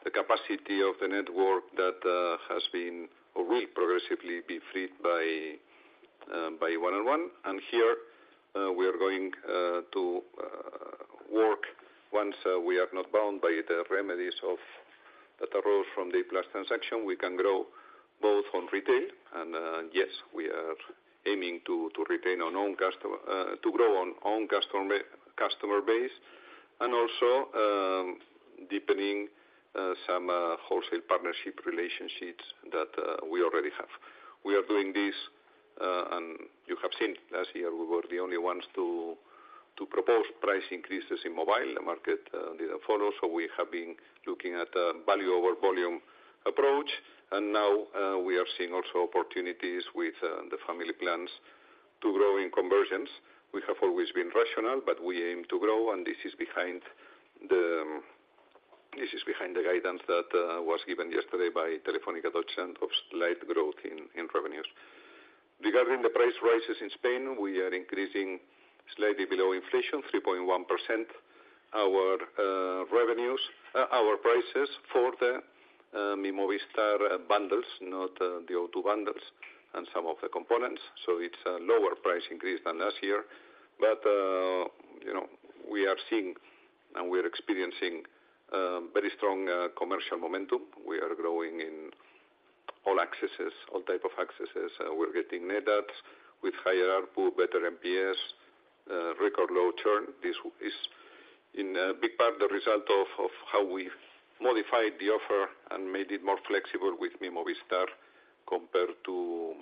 the capacity of the network that has been, or will progressively be freed by 1&1. And here, we are going to work once we are not bound by the remedies of that arose from the E-Plus transaction. We can grow both on retail and yes, we are aiming to retain our own customer to grow our own customer base, and also deepening some wholesale partnership relationships that we already have. We are doing this, and you have seen last year we were the only ones to propose price increases in mobile. The market didn't follow, so we have been looking at a value over volume approach, and now we are seeing also opportunities with the family plans to grow in conversions. We have always been rational, but we aim to grow, and this is behind the guidance that was given yesterday by Telefónica Deutschland of slight growth in revenues. Regarding the price rises in Spain, we are increasing slightly below inflation, 3.1%, our revenues... our prices for the Movistar bundles, not the O2 bundles, and some of the components, so it's a lower price increase than last year. But, you know, we are seeing and we are experiencing, very strong, commercial momentum. We are growing in all accesses, all types of accesses. We're getting net adds with higher ARPU, better NPS, record low churn. This is in a big part, the result of, of how we've modified the offer and made it more flexible with Mi Movistar compared to,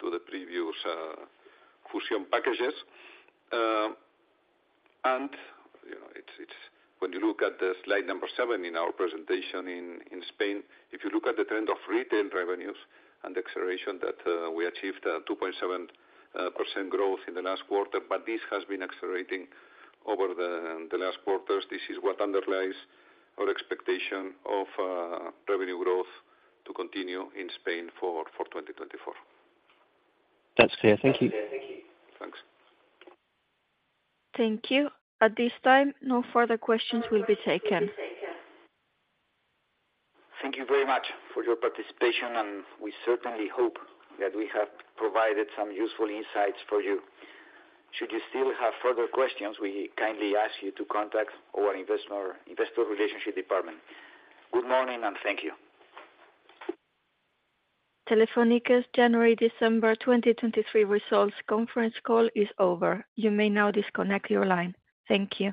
to the previous, Fusion packages. And, you know, it's, it's when you look at the slide number 7 in our presentation in, in Spain, if you look at the trend of retail revenues and acceleration, that, we achieved a 2.7% growth in the last quarter, but this has been accelerating over the, the last quarters. This is what underlies our expectation of, revenue growth to continue in Spain for, for 2024. That's clear. Thank you. Thanks. Thank you. At this time, no further questions will be taken. Thank you very much for your participation, and we certainly hope that we have provided some useful insights for you. Should you still have further questions, we kindly ask you to contact our Investor Relations department. Good morning, and thank you. Telefónica's January, December 2023 results conference call is over. You may now disconnect your line. Thank you.